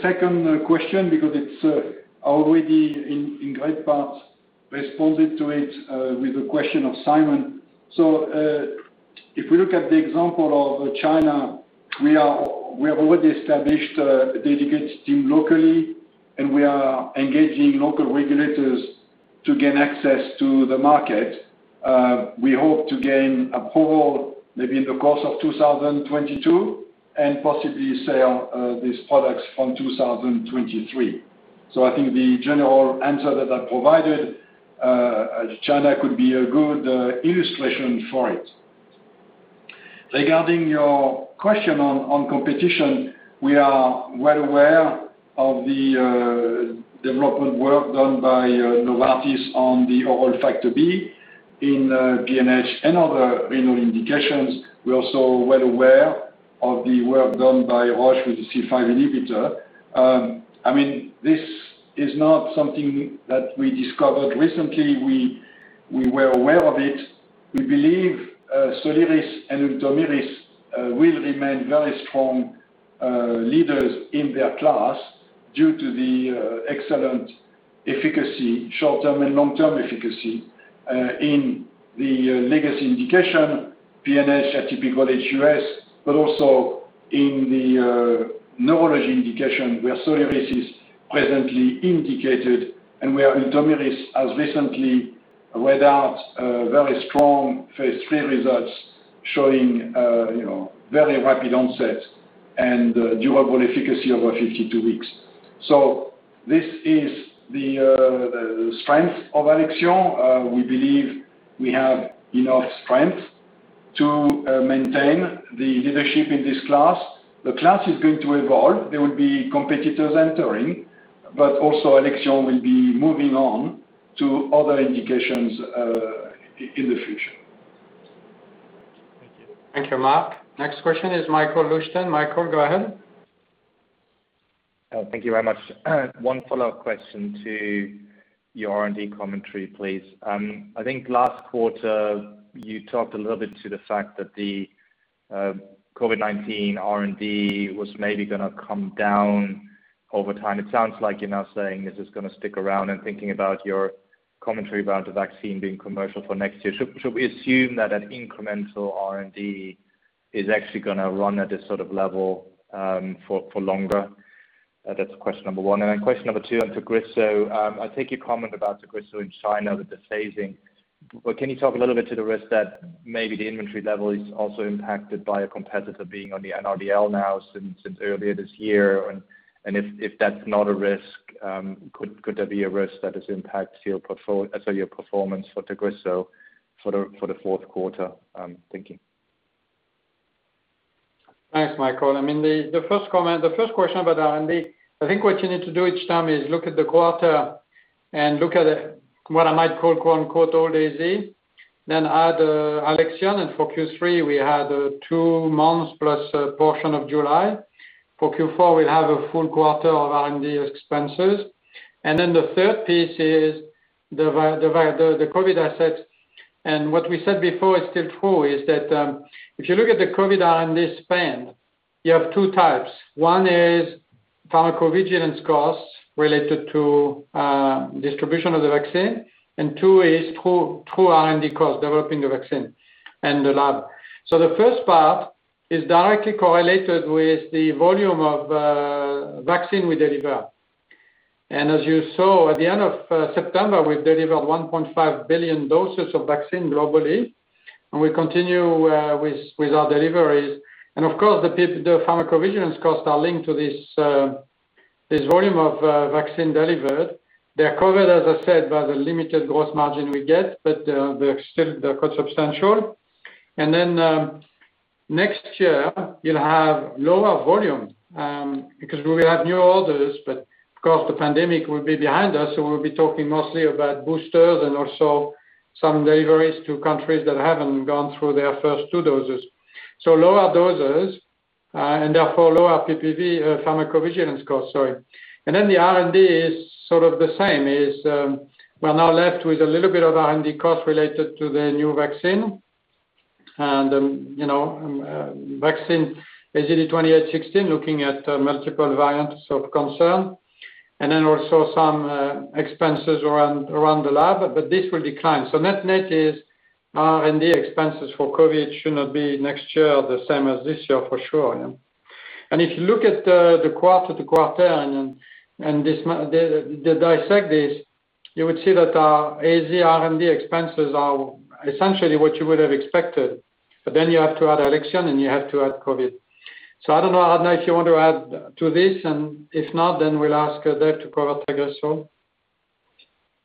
second question because it's already in great part responded to it with the question of Simon. If we look at the example of China, we have already established a dedicated team locally, and we are engaging local regulators to gain access to the market. We hope to gain approval maybe in the course of 2022, and possibly sell these products from 2023. I think the general answer that I provided, China could be a good illustration for it. Regarding your question on competition, we are well aware of the development work done by Novartis on the oral Factor B in PNH and other renal indications. We're also well aware of the work done by Roche with the C5 inhibitor. I mean, this is not something that we discovered recently. We were aware of it. We believe SOLIRIS and ULTOMIRIS will remain very strong leaders in their class due to the excellent efficacy, short-term and long-term efficacy, in the legacy indication PNH, aHUS, but also in the neurology indication where SOLIRIS is presently indicated and where ULTOMIRIS has recently read out very strong phase III results showing you know, very rapid onset and durable efficacy over 52 weeks. This is the strength of Alexion. We believe we have enough strength to maintain the leadership in this class. The class is going to evolve. There will be competitors entering, but also Alexion will be moving on to other indications in the future. Thank you. Thank you, Marc. Next question is Michael Leuchten. Michael, go ahead. Oh, thank you very much. One follow-up question to your R&D commentary, please. I think last quarter you talked a little bit to the fact that the COVID-19 R&D was maybe gonna come down over time. It sounds like you're now saying this is gonna stick around and thinking about your commentary about the vaccine being commercial for next year. Should we assume that an incremental R&D is actually gonna run at this sort of level for longer? That's question number one. And then question number two on TAGRISSO. I take your comment about TAGRISSO in China with the phasing. But can you talk a little bit to the risk that maybe the inventory level is also impacted by a competitor being on the NRDL now since earlier this year? If that's not a risk, could there be a risk that this impacts your performance for TAGRISSO for the fourth quarter? Thank you. Thanks, Michael. I mean, the first comment, the first question about R&D, I think what you need to do each time is look at the quarter and look at what I might call quote-unquote "Old AZ," then add Alexion. For Q3 we had two months plus a portion of July. For Q4 we'll have a full quarter of R&D expenses. Then the third piece is the COVID assets. What we said before is still true, is that if you look at the COVID R&D spend, you have two types. One is pharmacovigilance costs related to distribution of the vaccine, and two is true R&D costs developing the vaccine and the lab. The first part is directly correlated with the volume of vaccine we deliver. As you saw at the end of September, we delivered 1.5 billion doses of vaccine globally, and we continue with our deliveries. Of course, the pharmacovigilance costs are linked to this volume of vaccine delivered. They're covered, as I said, by the limited gross margin we get, but they're still quite substantial. Next year you'll have lower volume because we will have new orders, but of course the pandemic will be behind us, so we'll be talking mostly about boosters and also some deliveries to countries that haven't gone through their first two doses. Lower doses and therefore lower PPV pharmacovigilance costs, sorry. The R&D is sort of the same, we're now left with a little bit of R&D cost related to the new vaccine and, you know, vaccine AZD2816, looking at multiple variants of concern, and then also some expenses around the lab, but this will decline. Net-net is R&D expenses for COVID should not be next year the same as this year for sure, yeah. If you look at the quarter-to-quarter and then dissect this, you would see that AZ R&D expenses are essentially what you would have expected. Then you have to add Alexion, and you have to add COVID. I don't know, Aradhna, if you want to add to this, and if not, then we'll ask Dave to cover TAGRISSO.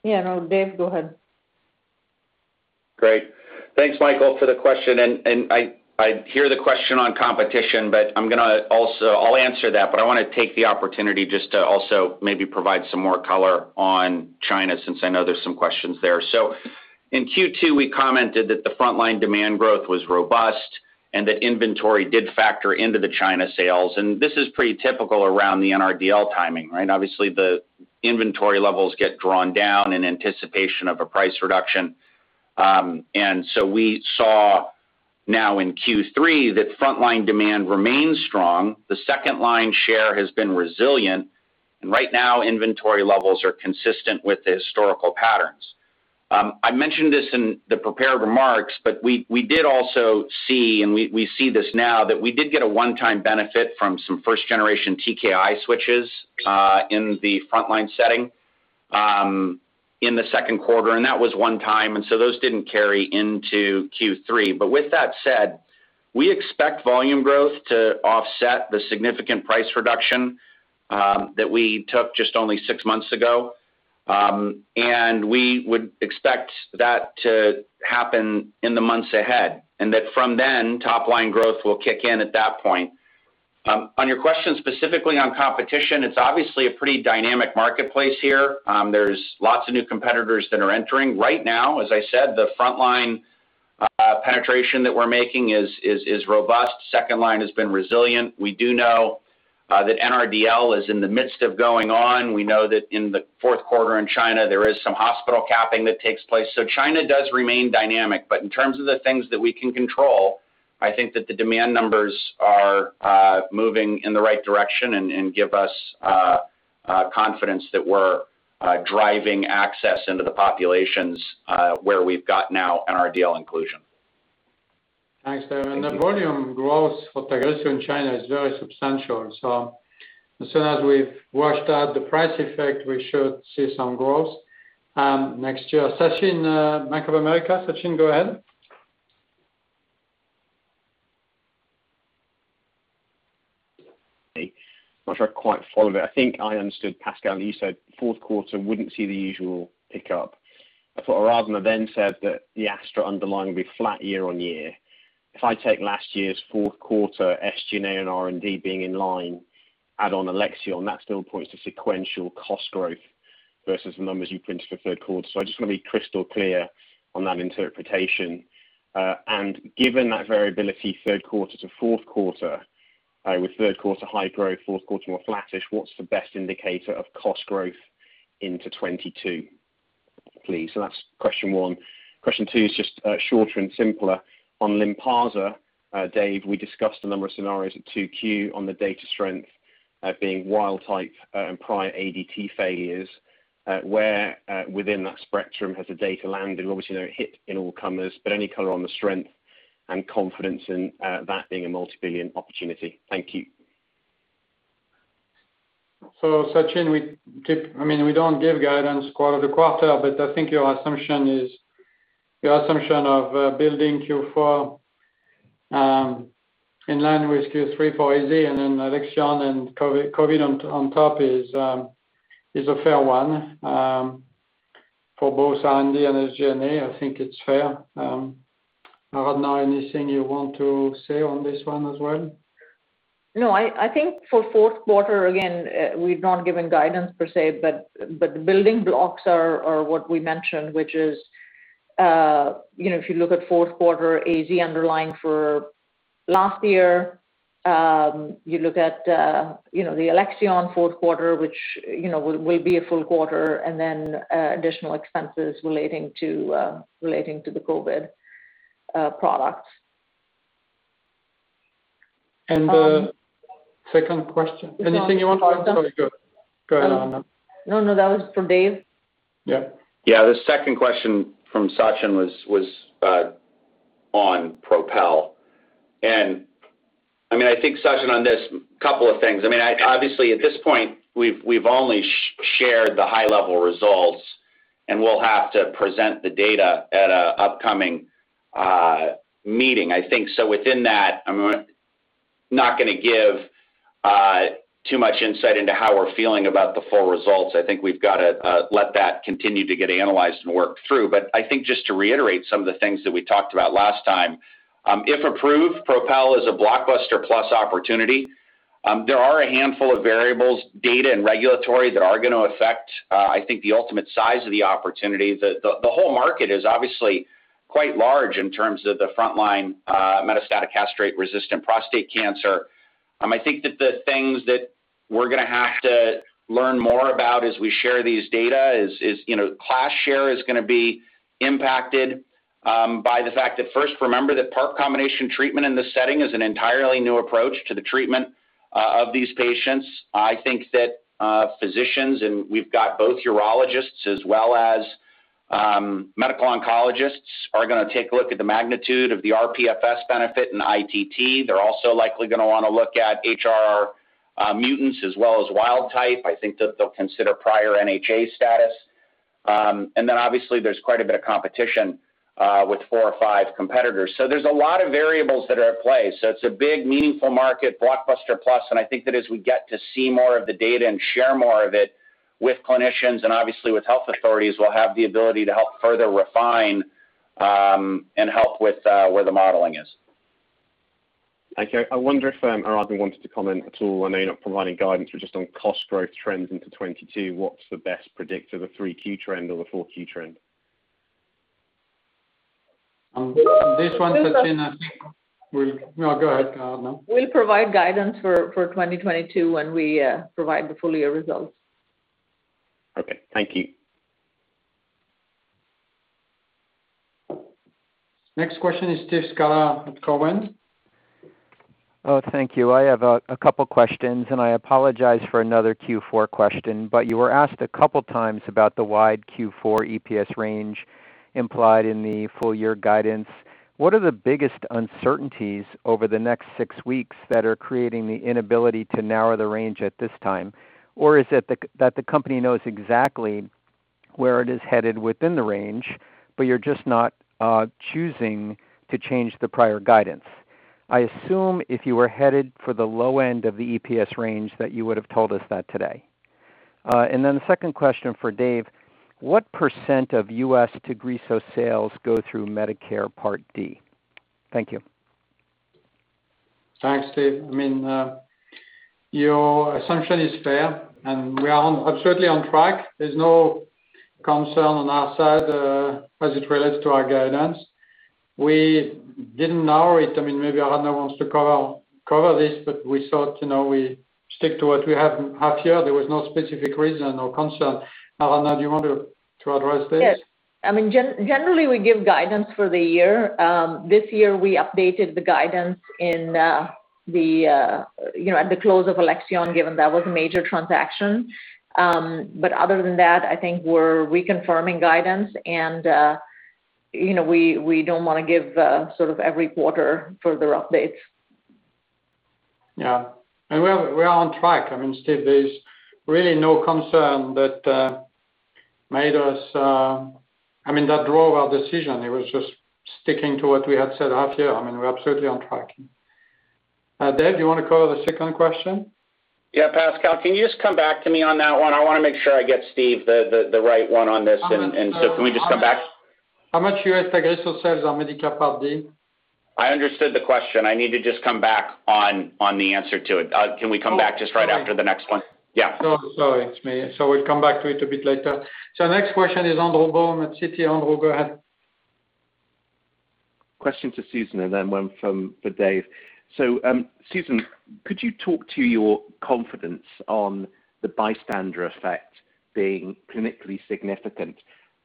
Yeah, no, Dave, go ahead. Great. Thanks, Michael, for the question. I hear the question on competition, but I'll answer that, but I wanna take the opportunity just to also maybe provide some more color on China since I know there's some questions there. In Q2, we commented that the frontline demand growth was robust and that inventory did factor into the China sales. This is pretty typical around the NRDL timing, right? Obviously, the inventory levels get drawn down in anticipation of a price reduction. We saw now in Q3 that frontline demand remains strong. The second line share has been resilient. Right now, inventory levels are consistent with the historical patterns. I mentioned this in the prepared remarks, but we did also see, and we see this now, that we did get a one-time benefit from some first generation TKI switches in the frontline setting in the second quarter, and that was one time. Those didn't carry into Q3. With that said, we expect volume growth to offset the significant price reduction that we took just only six months ago. We would expect that to happen in the months ahead, and that from then, top line growth will kick in at that point. On your question specifically on competition, it's obviously a pretty dynamic marketplace here. There's lots of new competitors that are entering. Right now, as I said, the frontline penetration that we're making is robust. Second line has been resilient. We do know that NRDL is in the midst of going on. We know that in the fourth quarter in China, there is some hospital capping that takes place. China does remain dynamic. In terms of the things that we can control, I think that the demand numbers are moving in the right direction and give us confidence that we're driving access into the populations where we've got now NRDL inclusion. Thanks, Dave. The volume growth for TAGRISSO in China is very substantial. As soon as we've washed out the price effect, we should see some growth next year. Sachin, Bank of America. Sachin, go ahead. Okay, not sure I quite followed it. I think I understood, Pascal, you said fourth quarter wouldn't see the usual pickup. I thought Aradhna then said that the Astra underlying will be flat year-on-year. If I take last year's fourth quarter, SG&A and R&D being in line, add on Alexion, that still points to sequential cost growth versus the numbers you printed for third quarter. I just want to be crystal clear on that interpretation. Given that variability third quarter to fourth quarter, with third quarter high growth, fourth quarter more flattish, what's the best indicator of cost growth into 2022, please? That's question one. Question two is just shorter and simpler. On LYNPARZA, Dave, we discussed a number of scenarios at 2Q on the data strength being wild type and prior ADT failures. Where within that spectrum has the data landed? Obviously, no hit in all comers, but any color on the strength and confidence in that being a multi-billion opportunity. Thank you. Sachin, I mean, we don't give guidance quarter to quarter, but I think your assumption of building Q4 in line with Q3 for AZ and then Alexion and COVID on top is a fair one for both R&D and SG&A. I think it's fair. Aradhna, anything you want to say on this one as well? No, I think for fourth quarter, again, we've not given guidance per se, but the building blocks are what we mentioned, which is, you know, if you look at fourth quarter AZ underlying for last year, you look at, you know, the Alexion fourth quarter, which, you know, will be a full quarter and then, additional expenses relating to the COVID products. The second question. Anything you want to add? Sorry, go Aradhna. No, no, that was for Dave. Yeah. Yeah. The second question from Sachin was on PROpel. I mean, I think, Sachin, on this, couple of things. I mean, obviously at this point, we've only shared the high level results, and we'll have to present the data at an upcoming meeting. I think, so within that, I'm not gonna give too much insight into how we're feeling about the full results. I think we've got to let that continue to get analyzed and worked through. I think just to reiterate some of the things that we talked about last time, if approved, PROpel is a blockbuster plus opportunity. There are a handful of variables, data and regulatory that are gonna affect, I think, the ultimate size of the opportunity. The whole market is obviously quite large in terms of the frontline, metastatic castrate-resistant prostate cancer. I think that the things that we're gonna have to learn more about as we share these data is, you know, class share is gonna be impacted, by the fact that first, remember that PARP combination treatment in this setting is an entirely new approach to the treatment, of these patients. I think that, physicians, and we've got both urologists as well as, medical oncologists, are gonna take a look at the magnitude of the rPFS benefit and ITT. They're also likely gonna wanna look at HRR, mutants as well as wild type. I think that they'll consider prior NHA status. And then obviously there's quite a bit of competition, with four or five competitors. There's a lot of variables that are at play. It's a big meaningful market, blockbuster plus, and I think that as we get to see more of the data and share more of it with clinicians and obviously with health authorities, we'll have the ability to help further refine, and help with, where the modeling is. Okay. I wonder if Aradhna wanted to comment at all. I know you're not providing guidance, but just on cost growth trends into 2022, what's the best predictor, the 3Q trend or the 4Q trend? This one, Sachin, we'll—no, go ahead, Aradhna. We'll provide guidance for 2022 when we provide the full year results. Okay, thank you. Next question is Steve Scala at Cowen. Oh, thank you. I have a couple questions, and I apologize for another Q4 question, but you were asked a couple times about the wide Q4 EPS range implied in the full year guidance. What are the biggest uncertainties over the next six weeks that are creating the inability to narrow the range at this time? Or is it that the company knows exactly where it is headed within the range, but you're just not choosing to change the prior guidance. I assume if you were headed for the low end of the EPS range that you would have told us that today. And then the second question for Dave, what percent of U.S. TAGRISSO sales go through Medicare Part D? Thank you. Thanks, Steve. I mean, your assumption is fair, and we are absolutely on track. There's no concern on our side, as it relates to our guidance. We didn't narrow it. I mean, maybe Aradhana wants to cover this, but we thought, you know, we stick to what we have here. There was no specific reason or concern. Aradhana, do you want to address this? Yes. I mean, generally, we give guidance for the year. This year, we updated the guidance in the you know at the close of Alexion, given that was a major transaction. Other than that, I think we're reconfirming guidance and you know, we don't wanna give sort of every quarter further updates. Yeah, we are on track. I mean, Steve, there's really no concern that made us—that drove our decision. It was just sticking to what we had said out here. I mean, we're absolutely on track. Dave, you wanna cover the second question? Yeah, Pascal, can you just come back to me on that one? I wanna make sure I get Steve the right one on this. Can we just come back? How much U.S. TAGRISSO sales are Medicare Part D? I understood the question. I need to just come back on the answer to it. Can we come back just right after the next one? Yeah. Sorry. It's me. We'll come back to it a bit later. Next question is Andrew Baum at Citi. Andrew, go ahead. Question to Susan and then one for Dave. Susan, could you talk to your confidence on the bystander effect being clinically significant,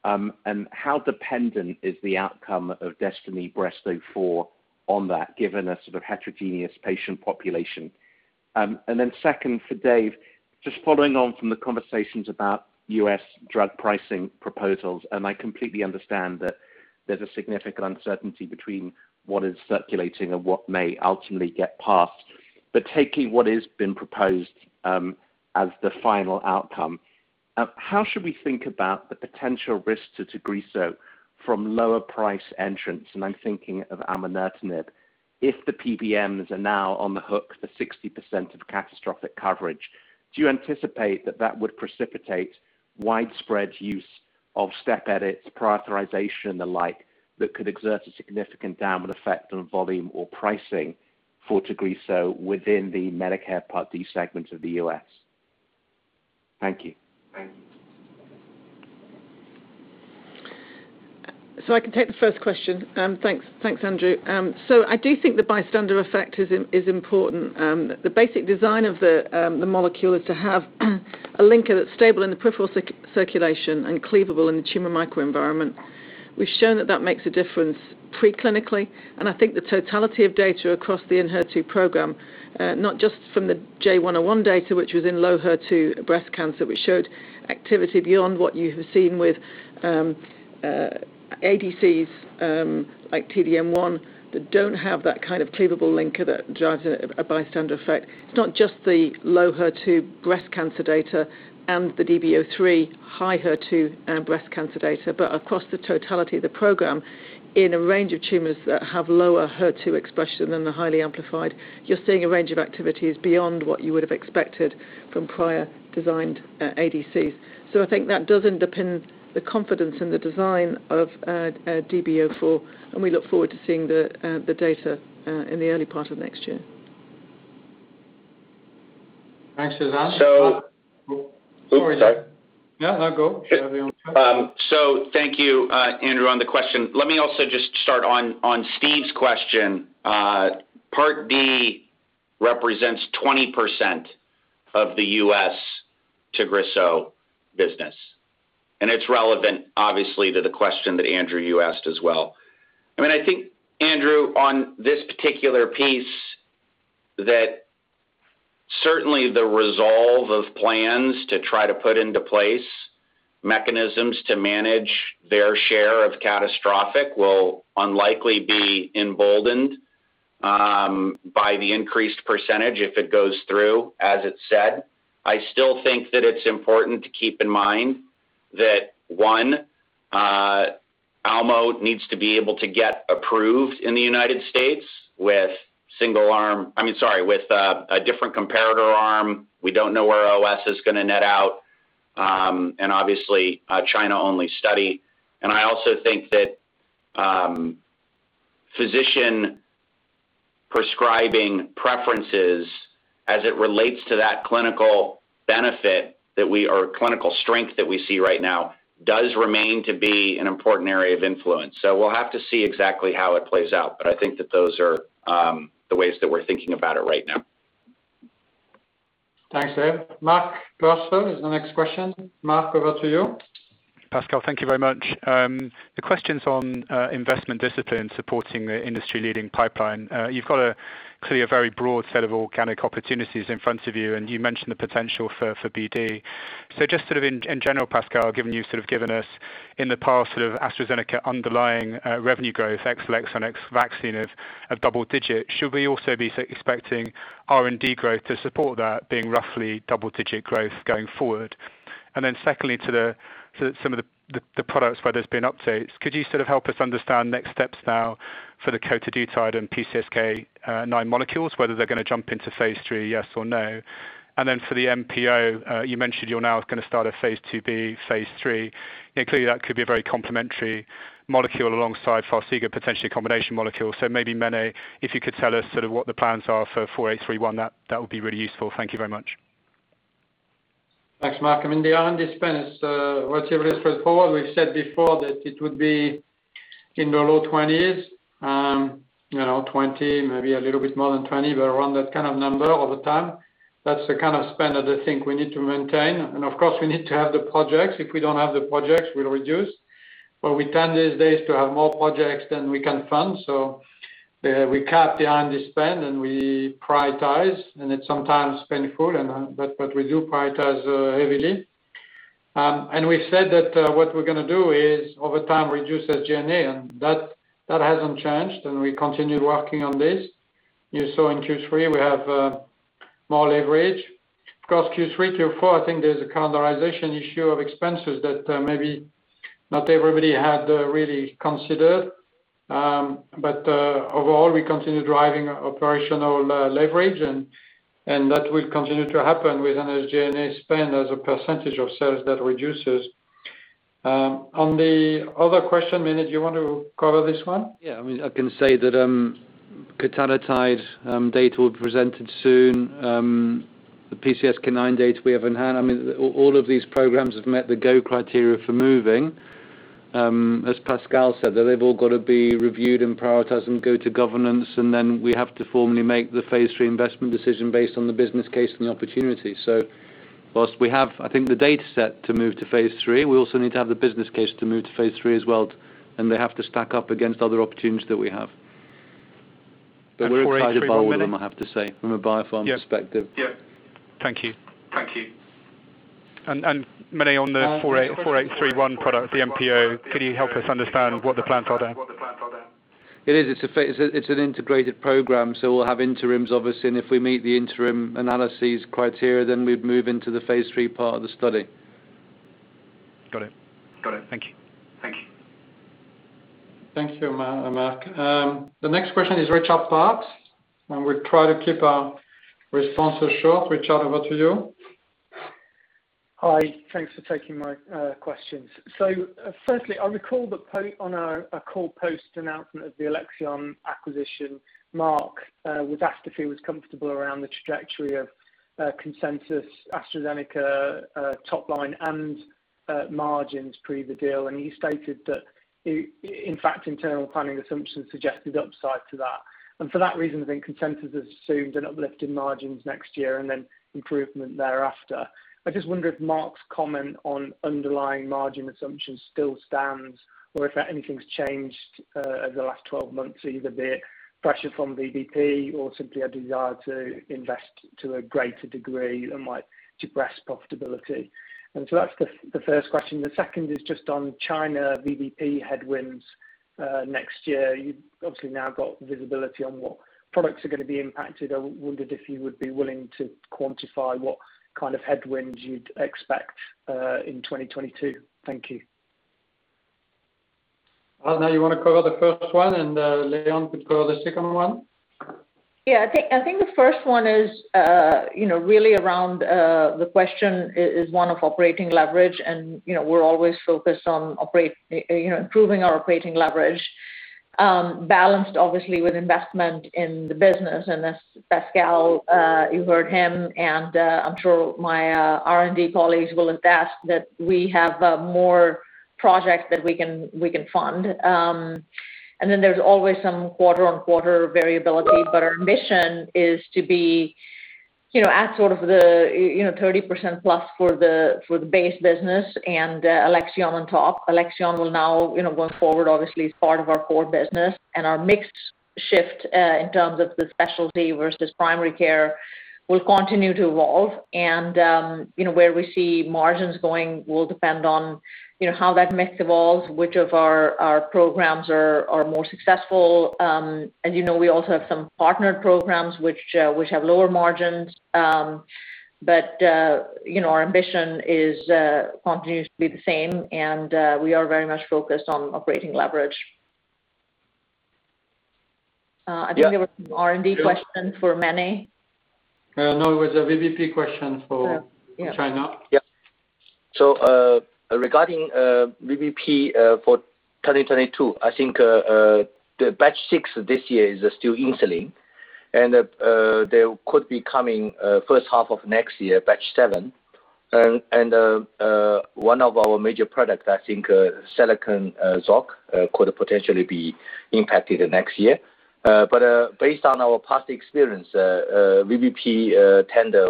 and how dependent is the outcome of DESTINY-Breast04 on that, given a sort of heterogeneous patient population? Second for Dave, just following on from the conversations about U.S. drug pricing proposals, and I completely understand that there's a significant uncertainty between what is circulating and what may ultimately get passed. But taking what has been proposed as the final outcome, how should we think about the potential risk to TAGRISSO from lower price entrants, and I'm thinking of aumolertinib, if the PBMs are now on the hook for 60% of catastrophic coverage. Do you anticipate that would precipitate widespread use of step edits, prior authorization, and the like, that could exert a significant downward effect on volume or pricing for TAGRISSO within the Medicare Part D segment of the U.S.? Thank you. I can take the first question. Thanks, Andrew. I do think the bystander effect is important. The basic design of the molecule is to have a linker that's stable in the peripheral circulation and cleavable in the tumor microenvironment. We've shown that makes a difference preclinically, and I think the totality of data across the ENHERTU program, not just from the J101 data, which was in low HER2 breast cancer, which showed activity beyond what you have seen with ADCs like T-DM1, that don't have that kind of cleavable linker that drives a bystander effect. It's not just the low HER2 breast cancer data and the DB03 high HER2 breast cancer data, but across the totality of the program in a range of tumors that have lower HER2 expression than the highly amplified. You're seeing a range of activities beyond what you would have expected from prior designed ADCs. I think that does underpin the confidence in the design of DB04, and we look forward to seeing the data in the early part of next year. Thanks, Susan. So— Sorry, Dave. No, no, go. Thank you, Andrew, on the question. Let me also just start on Steve's question. Part D represents 20% of the U.S. TAGRISSO business, and it's relevant, obviously, to the question that Andrew, you asked as well. I mean, I think Andrew, on this particular piece, that certainly the resolve of plans to try to put into place mechanisms to manage their share of catastrophic will unlikely be emboldened by the increased percentage if it goes through as it's said. I still think that it's important to keep in mind that, one, IMJUDO needs to be able to get approved in the United States, I mean, sorry, with a different comparator arm. We don't know where OS is gonna net out, and obviously a China-only study. I also think that physician prescribing preferences as it relates to that clinical benefit or clinical strength that we see right now does remain to be an important area of influence. We'll have to see exactly how it plays out, but I think that those are the ways that we're thinking about it right now. Thanks, Dave. Mark Purcell is the next question. Mark, over to you. Pascal, thank you very much. The questions on investment discipline supporting the industry-leading pipeline. You've got clearly a very broad set of organic opportunities in front of you, and you mentioned the potential for BD. Just sort of in general, Pascal, given you've sort of given us in the past sort of AstraZeneca underlying revenue growth ex Alexion, ex Vaxzevria of double digit. Should we also be expecting R&D growth to support that being roughly double digit growth going forward? And then secondly, to some of the products where there's been updates, could you sort of help us understand next steps now for the cotadutide and PCSK9 molecules, whether they're gonna jump into phase III, yes or no? And then for the MPO, you mentioned you're now gonna start a phase II-B, phase III. Clearly that could be a very complementary molecule alongside FARXIGA, potentially a combination molecule. Maybe, Mene, if you could tell us sort of what the plans are for AZD4831, that would be really useful. Thank you very much. Thanks, Mark. I mean, the R&D spend is relatively straightforward. We've said before that it would be in the low-20s, you know, 20%, maybe a little bit more than 20%, but around that kind of number all the time. That's the kind of spend that I think we need to maintain. Of course, we need to have the projects. If we don't have the projects, we'll reduce. We tend these days to have more projects than we can fund. We cap the R&D spend, and we prioritize, and it's sometimes painful, but we do prioritize heavily. We've said that what we're gonna do is over time, reduce the G&A, and that hasn't changed, and we continue working on this. You saw in Q3, we have more leverage. Of course, Q3, Q4, I think there's a calendarization issue of expenses that maybe not everybody had really considered. Overall, we continue driving operational leverage and that will continue to happen with a G&A spend as a percentage of sales that reduces. On the other question, Mene, do you want to cover this one? Yeah. I mean, I can say that [cotadutide] data will be presented soon. The PCSK9 data we have in hand. I mean, all of these programs have met the go criteria for moving. As Pascal said, that they've all got to be reviewed and prioritized and go to governance, and then we have to formally make the phase III investment decision based on the business case and the opportunity. While we have, I think, the dataset to move to phase III, we also need to have the business case to move to phase III as well, and they have to stack up against other opportunities that we have. But, we're excited by all of them, I have to say, from a biopharm perspective. Yeah. Yeah. Thank you. Mene, on the AZD4831 product, the MPO, can you help us understand what the plans are there? It is. It's an integrated program, so we'll have interims, obviously, and if we meet the interim analysis criteria, then we'd move into the phase III part of the study. Got it. Thank you. Thank you, Mark. The next question is Richard Parkes, and we'll try to keep our responses short. Richard, over to you. Hi. Thanks for taking my questions. Firstly, I recall the call post announcement of the Alexion acquisition, Mark was asked if he was comfortable around the trajectory of consensus AstraZeneca top line and margins pre the deal. He stated that in fact, internal planning assumptions suggested upside to that. For that reason, I think consensus has assumed an uplift in margins next year and then improvement thereafter. I just wonder if Mark's comment on underlying margin assumptions still stands or if anything's changed over the last 12 months, either be it pressure from VBP or simply a desire to invest to a greater degree and might depress profitability. That's the first question. The second is just on China VBP headwinds next year. You've obviously now got visibility on what products are gonna be impacted. I wondered if you would be willing to quantify what kind of headwinds you'd expect in 2022. Thank you. Aradhna, you wanna cover the first one, and [Leon] could cover the second one? I think the first one is, you know, really around the question is one of operating leverage. You know, we're always focused on improving our operating leverage, balanced obviously with investment in the business. As Pascal, you heard him, and I'm sure my R&D colleagues will attest that we have more projects that we can fund. Then there's always some quarter-on-quarter variability, but our mission is to be, you know, at sort of the, you know, 30%+ for the base business and Alexion on top. Alexion will now, you know, going forward, obviously as part of our core business. Our mix shift in terms of the specialty versus primary care will continue to evolve. You know, where we see margins going will depend on, you know, how that mix evolves, which of our programs are more successful. As you know, we also have some partnered programs which have lower margins. You know, our ambition is continuously the same, and we are very much focused on operating leverage. I think there was an R&D question for Mene. No, it was a VBP question for China. Regarding VBP for 2022, I think the batch 6 this year is still insulin. There could be coming first half of next year, batch 7. One of our major products, I think, Seloken ZOK, could potentially be impacted the next year. Based on our past experience, VBP tender,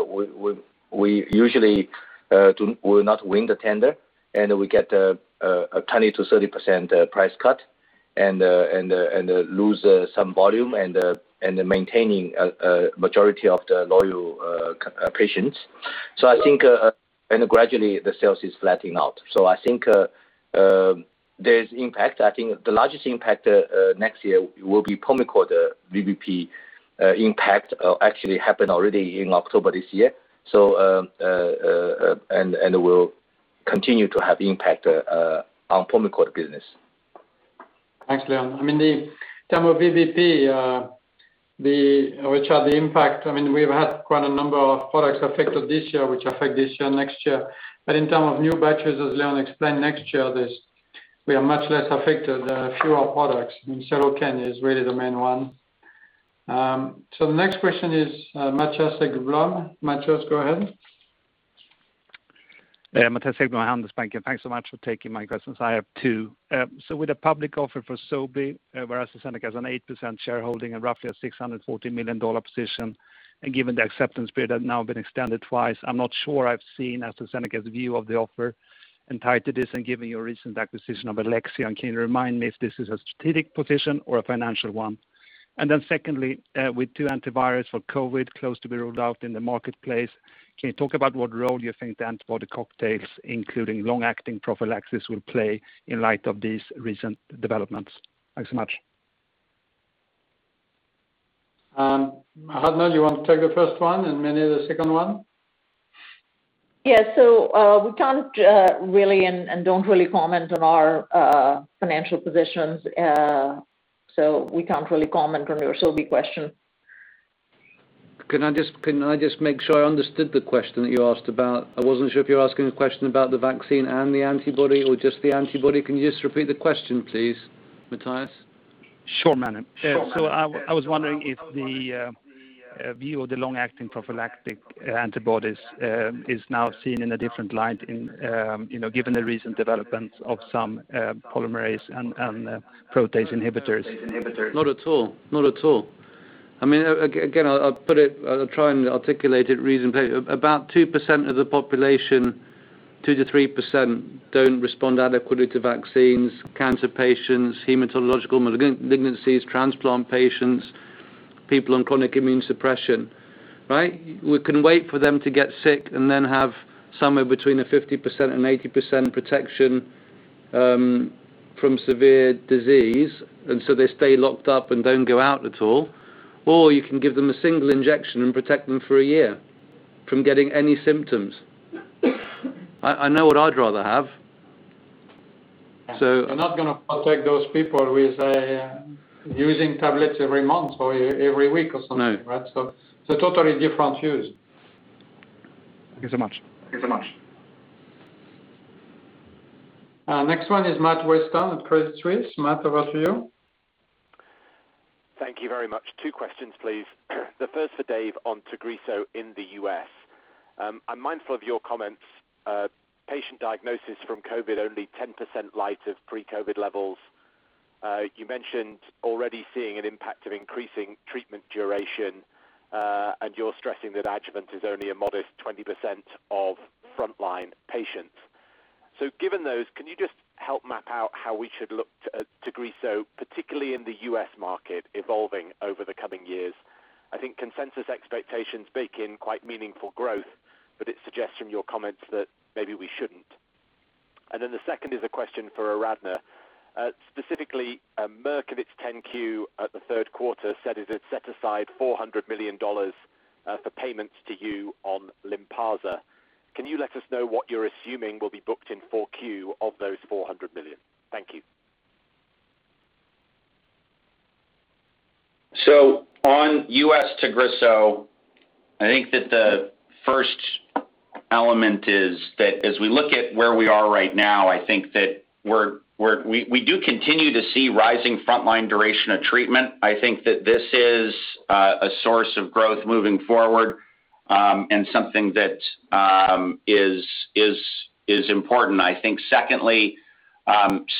we usually will not win the tender, and we get a 20%-30% price cut and lose some volume and maintaining a majority of the loyal patients. Gradually the sales is flattening out. I think there's impact. I think the largest impact next year will be PULMICORT, the VBP impact actually happened already in October this year and will continue to have impact on PULMICORT business. Thanks, Leon. I mean, the term of VBP, which are the impact. I mean, we've had quite a number of products affected this year, which affect this year, next year. In terms of new batches, as Leon explained next year, this we are much less affected, fewer products, and Seloken is really the main one. The next question is, Mattias Häggblom. Mattias, go ahead. Yeah. Mattias Häggblom, Handelsbanken. Thanks so much for taking my questions. I have two. With a public offer for Sobi, whereas AstraZeneca has an 8% shareholding and roughly a $640 million position, and given the acceptance period has now been extended twice, I'm not sure I've seen AstraZeneca's view of the offer. Tied to this, and given your recent acquisition of Alexion, can you remind me if this is a strategic position or a financial one? Secondly, with two antivirals for COVID close to be rolled out in the marketplace, can you talk about what role you think the antibody cocktails, including long-acting prophylaxis, will play in light of these recent developments? Thanks so much. Aradhna, you want to take the first one and Mene the second one? We can't really and don't really comment on our financial positions. We can't really comment on your Sobi question. Can I just make sure I understood the question that you asked about? I wasn't sure if you're asking a question about the vaccine and the antibody or just the antibody. Can you just repeat the question, please, Mattias? Sure, Mene. I was wondering if the view of the long-acting prophylactic antibodies is now seen in a different light, you know, given the recent developments of some polymerase and protease inhibitors. Not at all. Not at all. I mean, again, I'll try and articulate it reasonably. About 2% of the population, 2%-3%, don't respond adequately to vaccines, cancer patients, hematological malignancies, transplant patients, people on chronic immune suppression, right? We can wait for them to get sick and then have somewhere between a 50% and 80% protection from severe disease, so they stay locked up and don't go out at all. Or you can give them a single injection and protect them for a year from getting any symptoms. I know what I'd rather have. You're not gonna protect those people with using tablets every month or every week or something. Right? It's a totally different use. Thank you so much. Thank you so much. Next one is Matt Weston at Credit Suisse. Matt, over to you. Thank you very much. Two questions, please. The first for Dave on TAGRISSO in the U.S. I'm mindful of your comments, patient diagnosis from COVID only 10% light of pre-COVID levels. You mentioned already seeing an impact of increasing treatment duration, and you're stressing that adjuvant is only a modest 20% of frontline patients. Given those, can you just help map out how we should look to TAGRISSO, particularly in the U.S. market evolving over the coming years? I think consensus expectations bake in quite meaningful growth, but it suggests from your comments that maybe we shouldn't. The second is a question for Aradhna. Specifically, Merck in its 10-Q at the third quarter said it had set aside $400 million for payments to you on LYNPARZA. Can you let us know what you're assuming will be booked in Q4 of those $400 million? Thank you. On U.S. TAGRISSO, I think that the first element is that as we look at where we are right now, I think that we're—we do continue to see rising frontline duration of treatment. I think that this is a source of growth moving forward, and something that is important. I think secondly,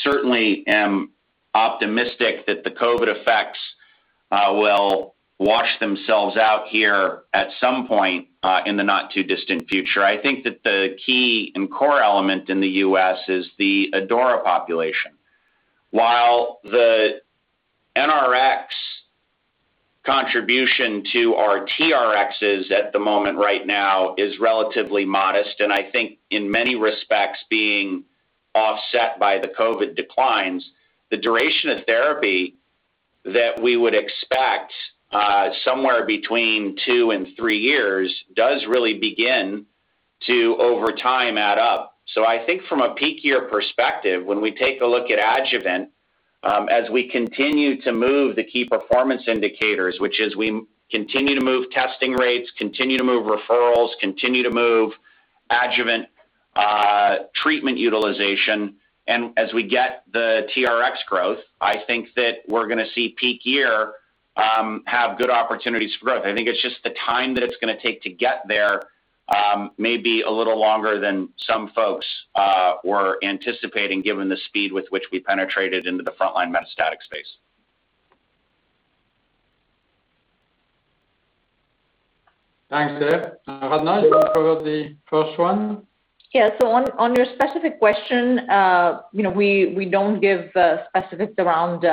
certainly am optimistic that the COVID effects will wash themselves out here at some point in the not too distant future. I think that the key and core element in the U.S. is the ADAURA population. While the NRX contribution to our TRXs at the moment right now is relatively modest, and I think in many respects being offset by the COVID declines, the duration of therapy that we would expect somewhere between two and three years does really begin to over time add up. I think from a peak year perspective, when we take a look at adjuvant, as we continue to move the key performance indicators, which is we continue to move testing rates, continue to move referrals, continue to move adjuvant, treatment utilization. As we get the TAGRISSO growth, I think that we're gonna see peak year have good opportunities for growth. I think it's just the time that it's gonna take to get there may be a little longer than some folks were anticipating given the speed with which we penetrated into the front line metastatic space. Thanks, Dave. Aradhna, you can cover the first one. On your specific question, you know, we don't give specifics around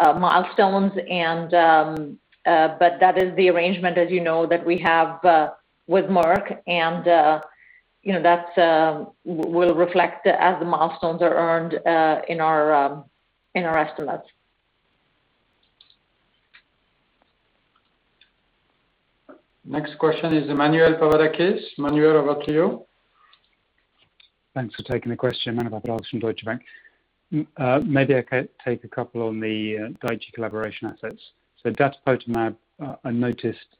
milestones, but that is the arrangement as you know that we have with Merck, and you know, that will reflect as the milestones are earned in our estimates. Next question is Emmanuel Papadakis. Emmanuel, over to you. Thanks for taking the question. Emmanuel Papadakis from Deutsche Bank. Maybe I can take a couple on the Daiichi collaboration assets. Datopotamab, I noticed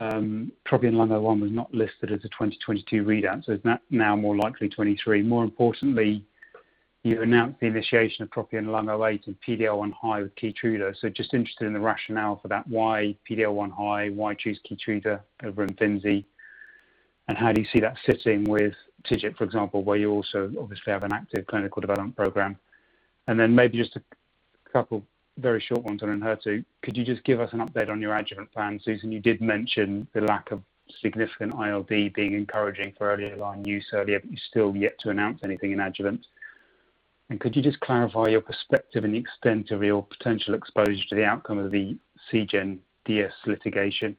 TROPION-Lung01 was not listed as a 2022 readout, so is that now more likely 2023? More importantly, you announced the initiation of TROPION-Lung08 and PD-L1 high with KEYTRUDA. Just interested in the rationale for that. Why PD-L1 high? Why choose KEYTRUDA over IMFINZI? And how do you see that sitting with TIGIT, for example, where you also obviously have an active clinical development program? And then maybe just a couple very short ones on ENHERTU. Could you just give us an update on your adjuvant plan? Susan, you did mention the lack of significant ILD being encouraging for earlier line use earlier, but you're still yet to announce anything in adjuvant. Could you just clarify your perspective and the extent of your potential exposure to the outcome of the Seagen-DS litigation?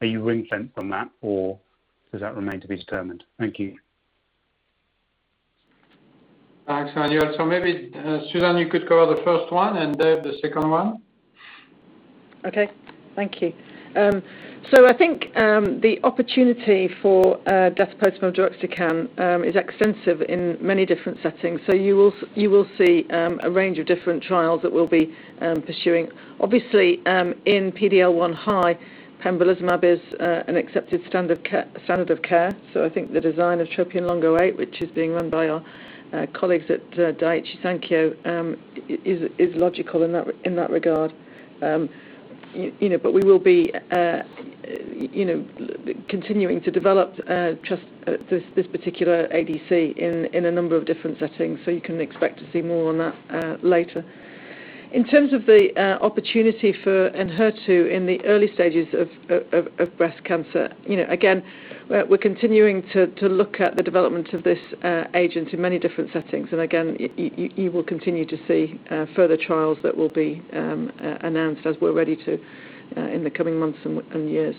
Are you ring-fenced from that or does that remain to be determined? Thank you. Thanks, Emmanuel. Maybe, Susan, you could cover the first one and Dave, the second one. Okay. Thank you. I think the opportunity for datopotamab deruxtecan is extensive in many different settings. You will see a range of different trials that we'll be pursuing. Obviously, in PD-L1 high, pembrolizumab is an accepted standard of care. I think the design of TROPION-Lung08, which is being run by our colleagues at Daiichi Sankyo, is logical in that regard. You know, but we will be, you know, continuing to develop just this particular ADC in a number of different settings, so you can expect to see more on that later. In terms of the opportunity for ENHERTU in the early stages of breast cancer, you know, again, we're continuing to look at the development of this agent in many different settings. Again, you will continue to see further trials that will be announced as we're ready to in the coming months and years.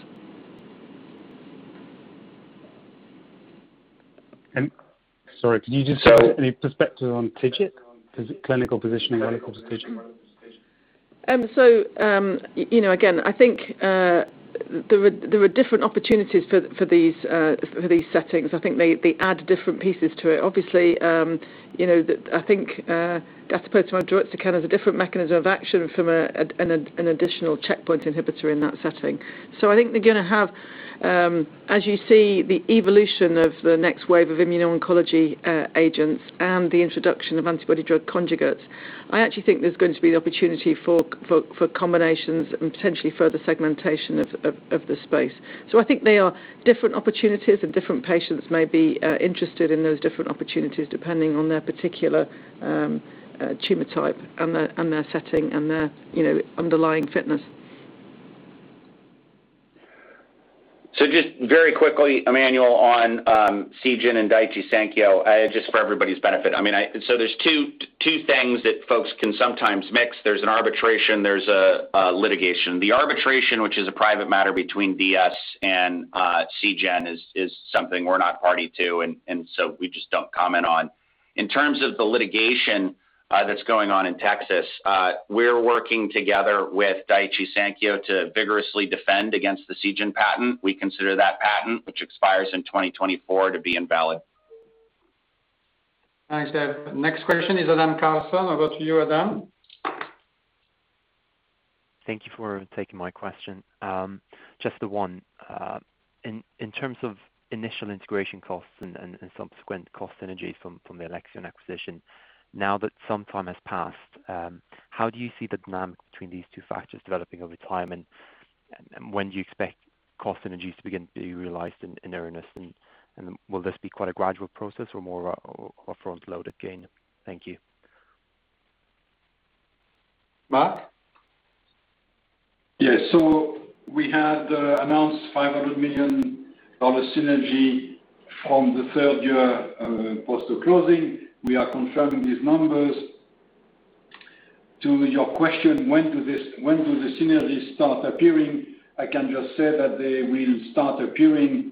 Sorry, could you just give any perspective on TIGIT, clinical positioning, medical decision? You know, again, I think there were different opportunities for these settings. I think they add different pieces to it. Obviously, you know, I think datopotamab deruxtecan has a different mechanism of action from an additional checkpoint inhibitor in that setting. I think they're gonna have, as you see the evolution of the next wave of Immuno-Oncology agents and the introduction of antibody-drug conjugates, I actually think there's going to be the opportunity for combinations and potentially further segmentation of the space. I think they are different opportunities, and different patients may be interested in those different opportunities depending on their particular tumor type and their setting and their underlying fitness. Just very quickly, Emmanuel, on Seagen and Daiichi Sankyo, just for everybody's benefit. I mean, there are two things that folks can sometimes mix. There is an arbitration, there is a litigation. The arbitration, which is a private matter between DS and Seagen, is something we're not party to and so we just don't comment on. In terms of the litigation, that's going on in Texas, we're working together with Daiichi Sankyo to vigorously defend against the Seagen patent. We consider that patent, which expires in 2024, to be invalid. Thanks, Dave. Next question is Adam Karlsson. Over to you, Adam. Thank you for taking my question. Just the one. In terms of initial integration costs and subsequent cost synergies from the Alexion acquisition, now that some time has passed, how do you see the dynamic between these two factors developing over time? When do you expect cost synergies to begin to be realized in earnest? Will this be quite a gradual process or more of a front-loaded gain? Thank you. Marc? We had announced $500 million synergy from the third year post the closing. We are confirming these numbers. To your question, when do the synergies start appearing? I can just say that they will start appearing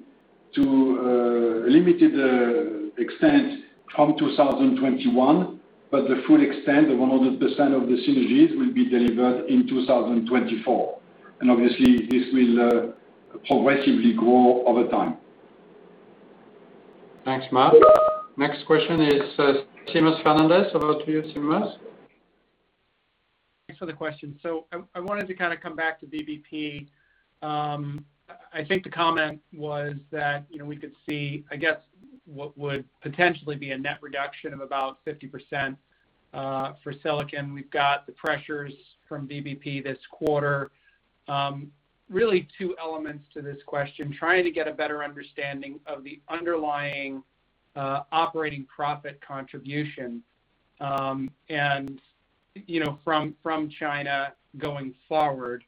to a limited extent from 2021, but the full extent, the 100% of the synergies will be delivered in 2024. Obviously, this will progressively grow over time. Thanks, Marc. Next question is, Seamus Fernandez. Over to you, Seamus. Thanks for the question. I wanted to kind of come back to VBP. I think the comment was that, you know, we could see, I guess, what would potentially be a net reduction of about 50% for Seloken. We've got the pressures from VBP this quarter. Really two elements to this question, trying to get a better understanding of the underlying operating profit contribution, and, you know, from China going forward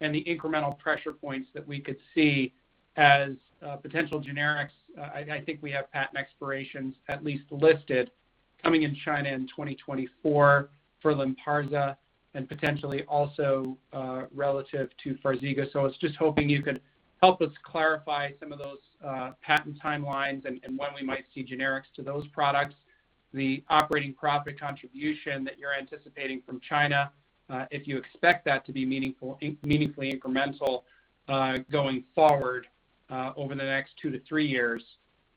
and the incremental pressure points that we could see as potential generics. I think we have patent expirations, at least listed, coming in China in 2024 for LYNPARZA and potentially also relative to FARXIGA. I was just hoping you could help us clarify some of those patent timelines and when we might see generics to those products. The operating profit contribution that you're anticipating from China, if you expect that to be meaningfully incremental, going forward, over the next two to three years.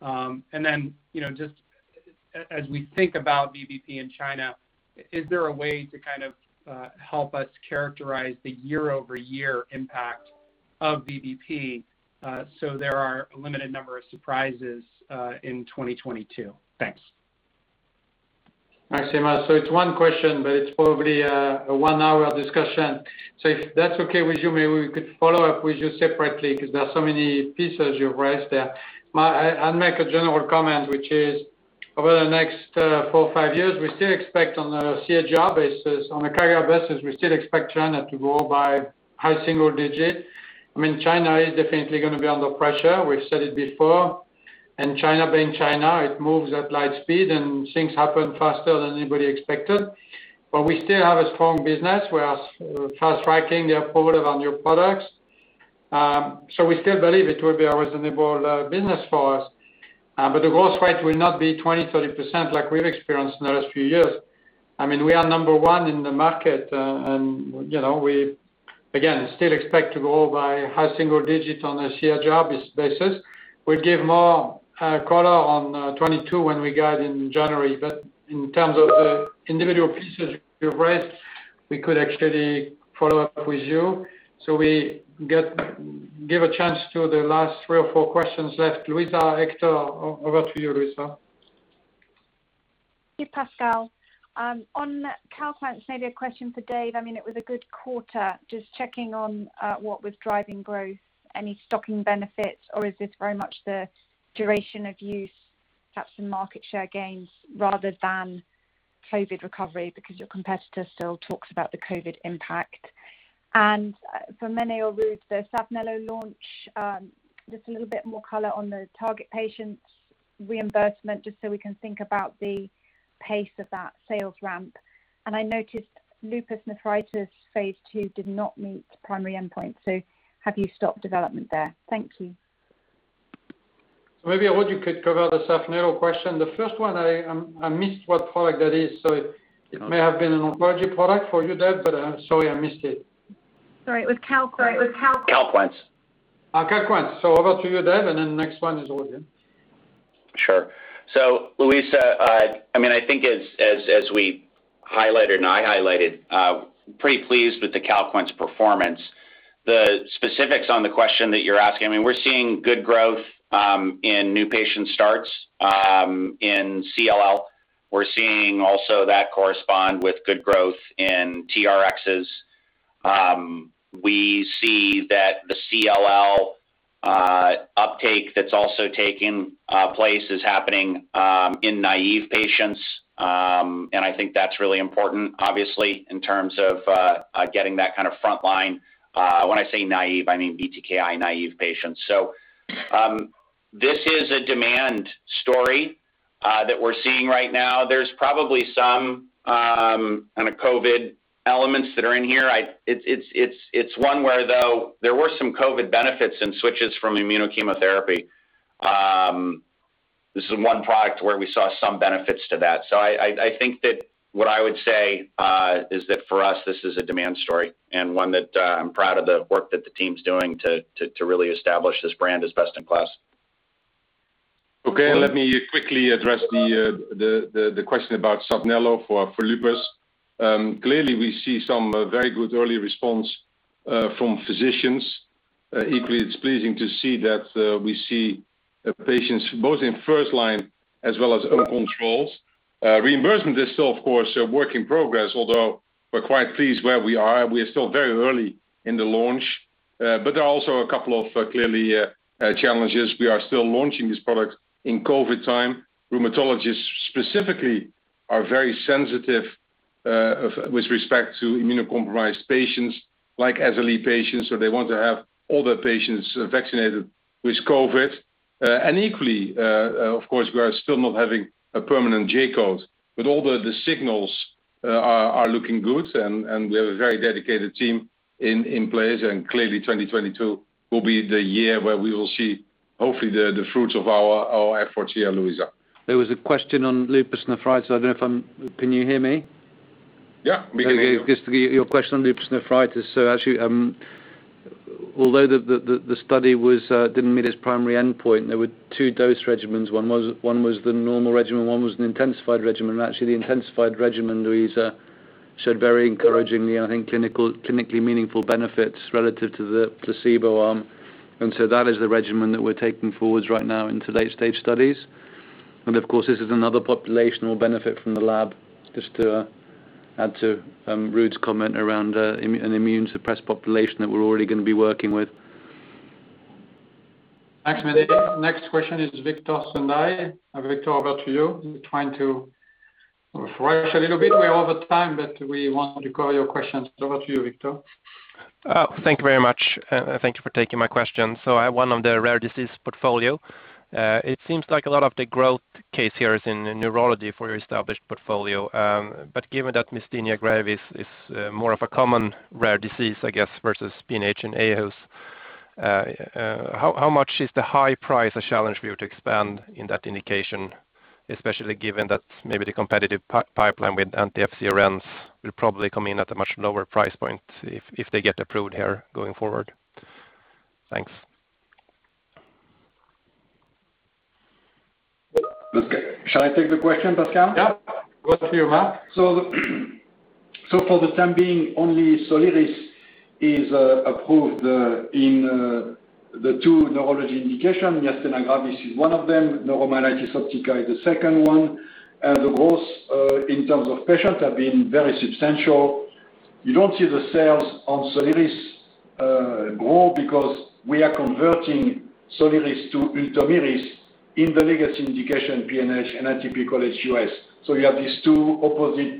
You know, just as we think about VBP in China, is there a way to kind of help us characterize the year-over-year impact of VBP, so there are a limited number of surprises, in 2022? Thanks. Thanks, Seamus. It's one question, but it's probably a one-hour discussion. If that's okay with you, maybe we could follow up with you separately because there are so many pieces you've raised there. I'll make a general comment, which is over the next four or five years, we still expect on a CER basis, on a CER basis, we still expect China to grow by high single digit. I mean, China is definitely gonna be under pressure. We've said it before. China being China, it moves at light speed, and things happen faster than anybody expected. We still have a strong business. We are fast-tracking the approval of our new products. We still believe it will be a reasonable business for us. The growth rate will not be 20%, 30% like we've experienced in the last few years. I mean, we are number one in the market. You know, we, again, still expect to grow by high single-digits on a CER basis. We'll give more color on 2022 when we guide in January. But in terms of the individual pieces you've raised, we could actually follow up with you. We give a chance to the last three or four questions left. Luisa Hector. Over to you, Luisa. Thank you, Pascal. On CALQUENCE, maybe a question for Dave. I mean, it was a good quarter. Just checking on what was driving growth, any stocking benefits, or is this very much the duration of use, perhaps some market share gains rather than COVID recovery because your competitor still talks about the COVID impact. For Mene or Ruud, the SAPHNELO launch, just a little bit more color on the target patients reimbursement, just so we can think about the pace of that sales ramp. I noticed lupus nephritis phase II did not meet primary endpoint. Have you stopped development there? Thank you. Maybe Ruud could cover the SAPHNELO question. The first one, I missed what product that is. It may have been an allergy product for you, Dave, but sorry, I missed it. Sorry, it was CAL— CALQUENCE. CALQUENCE. Over to you, Dave, and then next one is Ruud. Sure. Luisa, I mean, I think as we highlighted and I highlighted, pretty pleased with the CALQUENCE performance. The specifics on the question that you're asking, I mean, we're seeing good growth in new patient starts in CLL. We're seeing also that correspond with good growth in TRXs. We see that the CLL uptake that's also taking place is happening in naïve patients. I think that's really important, obviously, in terms of getting that kind of frontline. When I say naïve, I mean BTKi-naïve patients. This is a demand story that we're seeing right now. There's probably some kinda COVID elements that are in here. It's one where, though, there were some COVID benefits and switches from immuno-chemotherapy. This is one product where we saw some benefits to that. I think that what I would say is that for us, this is a demand story and one that I'm proud of the work that the team's doing to really establish this brand as best in class. Okay. Let me quickly address the question about SAPHNELO for lupus. Clearly, we see some very good early response from physicians. Equally, it's pleasing to see that we see patients both in first line as well as uncontrolled. Reimbursement is still, of course, a work in progress, although we're quite pleased where we are. We are still very early in the launch. There are also a couple of clear challenges. We are still launching this product in COVID time. Rheumatologists specifically are very sensitive with respect to immunocompromised patients, like SLE patients, so they want to have all their patients vaccinated against COVID. Of course, we are still not having a permanent J-Code. All the signals are looking good, and we have a very dedicated team in place. Clearly 2022 will be the year where we will see hopefully the fruits of our efforts here, Luisa. There was a question on lupus nephritis. Can you hear me? Yeah, we can hear you. Just to get your question on lupus nephritis. Actually, although the study didn't meet its primary endpoint, there were two dose regimens. One was the normal regimen, one was an intensified regimen. Actually, the intensified regimen, Luisa, showed very encouragingly, I think clinically meaningful benefits relative to the placebo arm. That is the regimen that we're taking forward right now into late-stage studies. Of course, this is another population that will benefit from the label, just to add to Ruud's comment around an immunosuppressed population that we're already going to be working with. Thanks, Mene. Next question is [Viktor Sundberg]. Viktor, over to you. We're trying to rush a little bit. We're over time, but we want to cover your questions. Over to you, Viktor. Thank you very much. Thank you for taking my question. I have one on the Rare Disease portfolio. It seems like a lot of the growth case here is in neurology for your established portfolio. But given that myasthenia gravis is more of a common rare disease, I guess, versus PNH and ALS, how much is the high price a challenge for you to expand in that indication, especially given that maybe the competitive pipeline with anti-FcRn will probably come in at a much lower price point if they get approved here going forward? Thanks. Shall I take the question, Pascal? Yeah. Go to you, Marc. For the time being, only SOLIRIS is approved in the two neurology indications. Myasthenia gravis is one of them. Neuromyelitis optica is the second one. The growth in terms of patients have been very substantial. You don't see the sales on SOLIRIS grow because we are converting SOLIRIS to ULTOMIRIS in the legacy indications [PNH and atypical hemolytic US]. You have these two opposite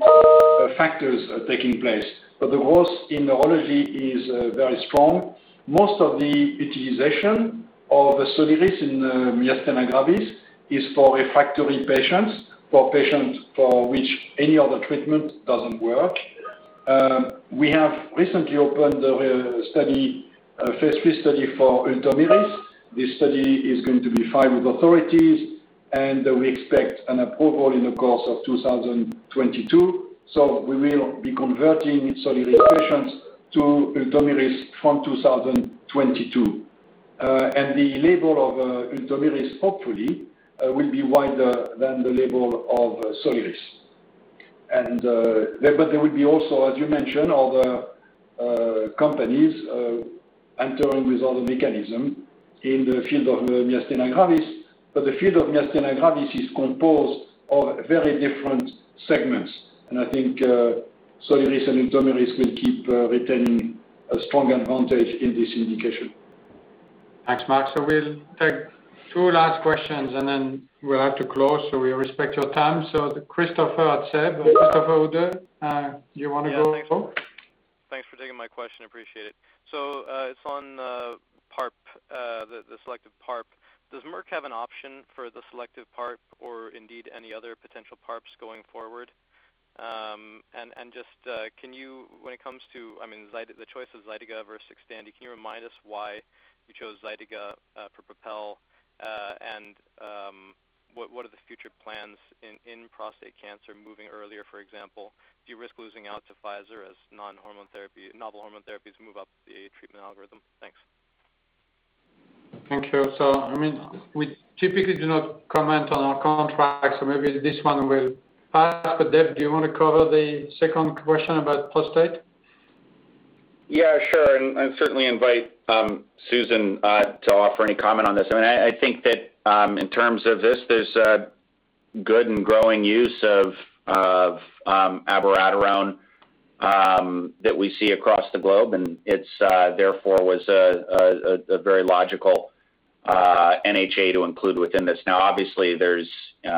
factors taking place. The growth in neurology is very strong. Most of the utilization of the SOLIRIS in myasthenia gravis is for refractory patients, for patients for which any other treatment doesn't work. We have recently opened a study, a phase III study for ULTOMIRIS. This study is going to be filed with authorities, and we expect an approval in the course of 2022. We will be converting SOLIRIS patients to ULTOMIRIS from 2022. The label of ULTOMIRIS hopefully will be wider than the label of SOLIRIS. But there will be also, as you mentioned, other companies entering with other mechanism in the field of myasthenia gravis. The field of myasthenia gravis is composed of very different segments. I think SOLIRIS and ULTOMIRIS will keep retaining a strong advantage in this indication. Thanks, Marc. We'll take two last questions, and then we'll have to close, so we respect your time. [Christopher from SEB, Christopher Uhde]. You want to go? Yeah. Thanks for taking my question. I appreciate it. It's on PARP, the selective PARP. Does Merck have an option for the selective PARP or indeed any other potential PARPs going forward? And just can you, when it comes to, I mean, the choice of ZYTIGA versus XTANDI, remind us why you chose ZYTIGA for PROpel? And what are the future plans in prostate cancer moving earlier, for example? Do you risk losing out to Pfizer as non-hormone therapy, novel hormone therapies move up the treatment algorithm? Thanks. Thank you. I mean, we typically do not comment on our contracts, so maybe this one will pass. Dave, do you want to cover the second question about prostate? Yeah, sure. Certainly invite Susan to offer any comment on this. I mean, I think that in terms of this, there's a good and growing use of abiraterone that we see across the globe, and it's therefore was a very logical NHA to include within this. Now, obviously, there's you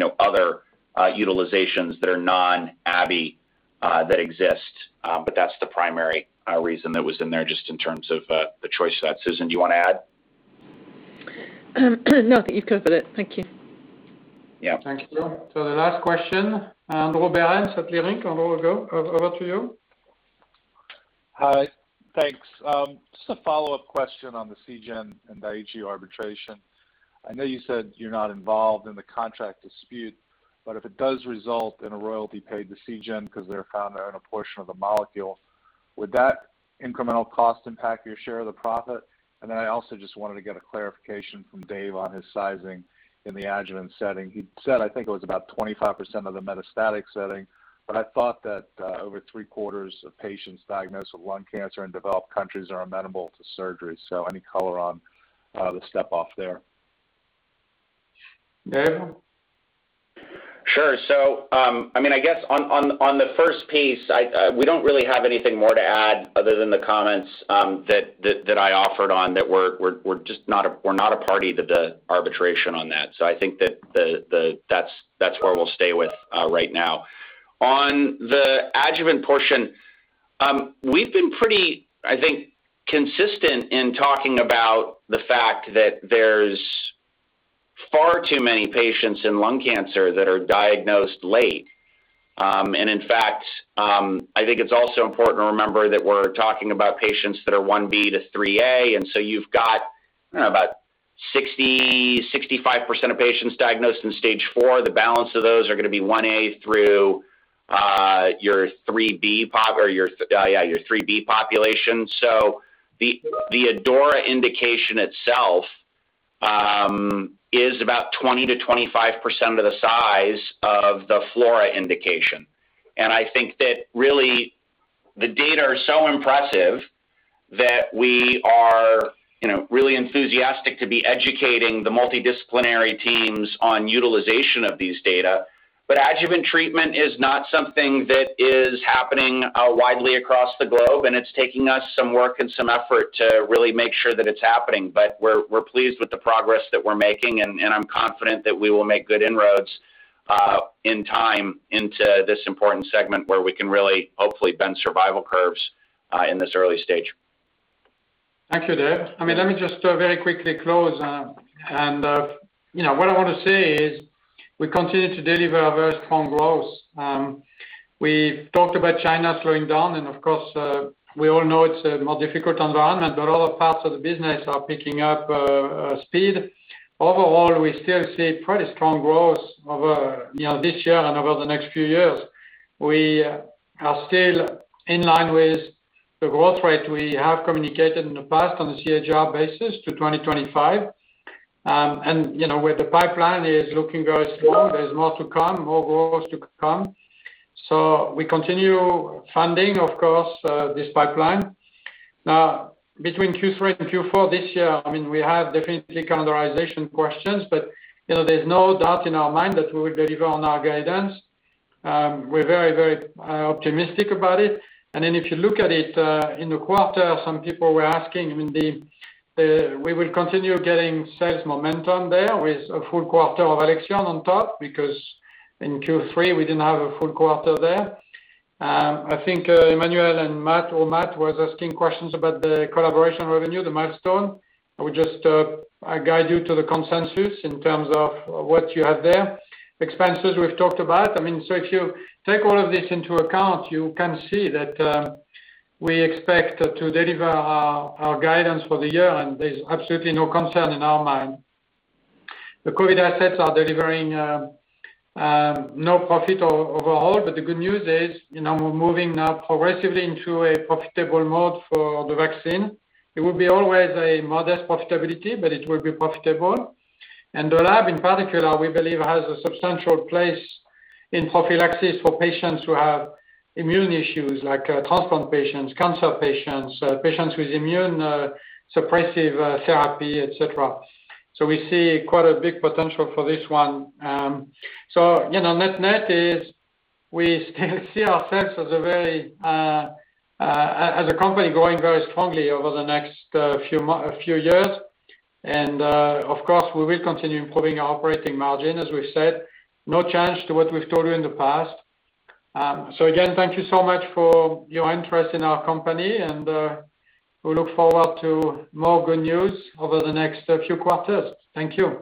know other utilizations that are non-abi that exist, but that's the primary reason that was in there just in terms of the choice of that. Susan, do you want to add? No, you've covered it. Thank you. Yeah. Thank you. The last question, and Andrew Berens of Leerink. Andrew, over to you. Hi. Thanks. Just a follow-up question on the Seagen and Daiichi arbitration. I know you said you're not involved in the contract dispute, but if it does result in a royalty paid to Seagen because they're found they own a portion of the molecule, would that incremental cost impact your share of the profit? And then I also just wanted to get a clarification from Dave on his sizing in the adjuvant setting. He said, I think it was about 25% of the metastatic setting, but I thought that over three quarters of patients diagnosed with lung cancer in developed countries are amenable to surgery. Any color on the step up there? Dave? Sure. I mean, I guess on the first piece, we don't really have anything more to add other than the comments that I offered on that we're just not a party to the arbitration on that. I think that's where we'll stay right now. On the adjuvant portion, we've been pretty consistent, I think, in talking about the fact that there's far too many patients in lung cancer that are diagnosed late. In fact, I think it's also important to remember that we're talking about patients that are IB to IIIA. You've got about 65% of patients diagnosed in stage four. The balance of those are gonna be IA through your IIIB population. The ADAURA indication itself is about 20%-25% of the size of the FLAURA indication. I think that really the data are so impressive that we are, you know, really enthusiastic to be educating the multidisciplinary teams on utilization of these data. Adjuvant treatment is not something that is happening widely across the globe, and it's taking us some work and some effort to really make sure that it's happening. We're pleased with the progress that we're making, and I'm confident that we will make good inroads in time into this important segment where we can really hopefully bend survival curves in this early stage. Thank you, Dave. I mean, let me just very quickly close. You know, what I wanna say is we continue to deliver a very strong growth. We talked about China slowing down, and of course, we all know it's a more difficult environment, but other parts of the business are picking up speed. Overall, we still see pretty strong growth over, you know, this year and over the next few years. We are still in line with the growth rate we have communicated in the past on a CAGR basis to 2025. You know, with the pipeline is looking very strong. There's more to come, more growth to come. We continue funding, of course, this pipeline. Now between Q3 and Q4 this year, I mean, we have definitely calendarization questions, but, you know, there's no doubt in our mind that we will deliver on our guidance. We're very optimistic about it. If you look at it, in the quarter, some people were asking, I mean, we will continue getting sales momentum there with a full quarter of Alexion on top because in Q3 we didn't have a full quarter there. I think, Emmanuel and Matt or [Mark] was asking questions about the collaboration revenue, the milestone. I would just guide you to the consensus in terms of what you have there. Expenses, we've talked about. I mean, if you take all of this into account, you can see that we expect to deliver our guidance for the year, and there's absolutely no concern in our mind. The COVID assets are delivering no profit overall, but the good news is, you know, we're moving now progressively into a profitable mode for the vaccine. It will be always a modest profitability, but it will be profitable. [EVUSHELD], in particular, we believe, has a substantial place in prophylaxis for patients who have immune issues like transplant patients, cancer patients with immune suppressive therapy, et cetera. We see quite a big potential for this one. You know, net-net we still see ourselves as a very, as a company growing very strongly over the next few years. Of course, we will continue improving our operating margin. As we've said, no change to what we've told you in the past. Again, thank you so much for your interest in our company and we look forward to more good news over the next few quarters. Thank you.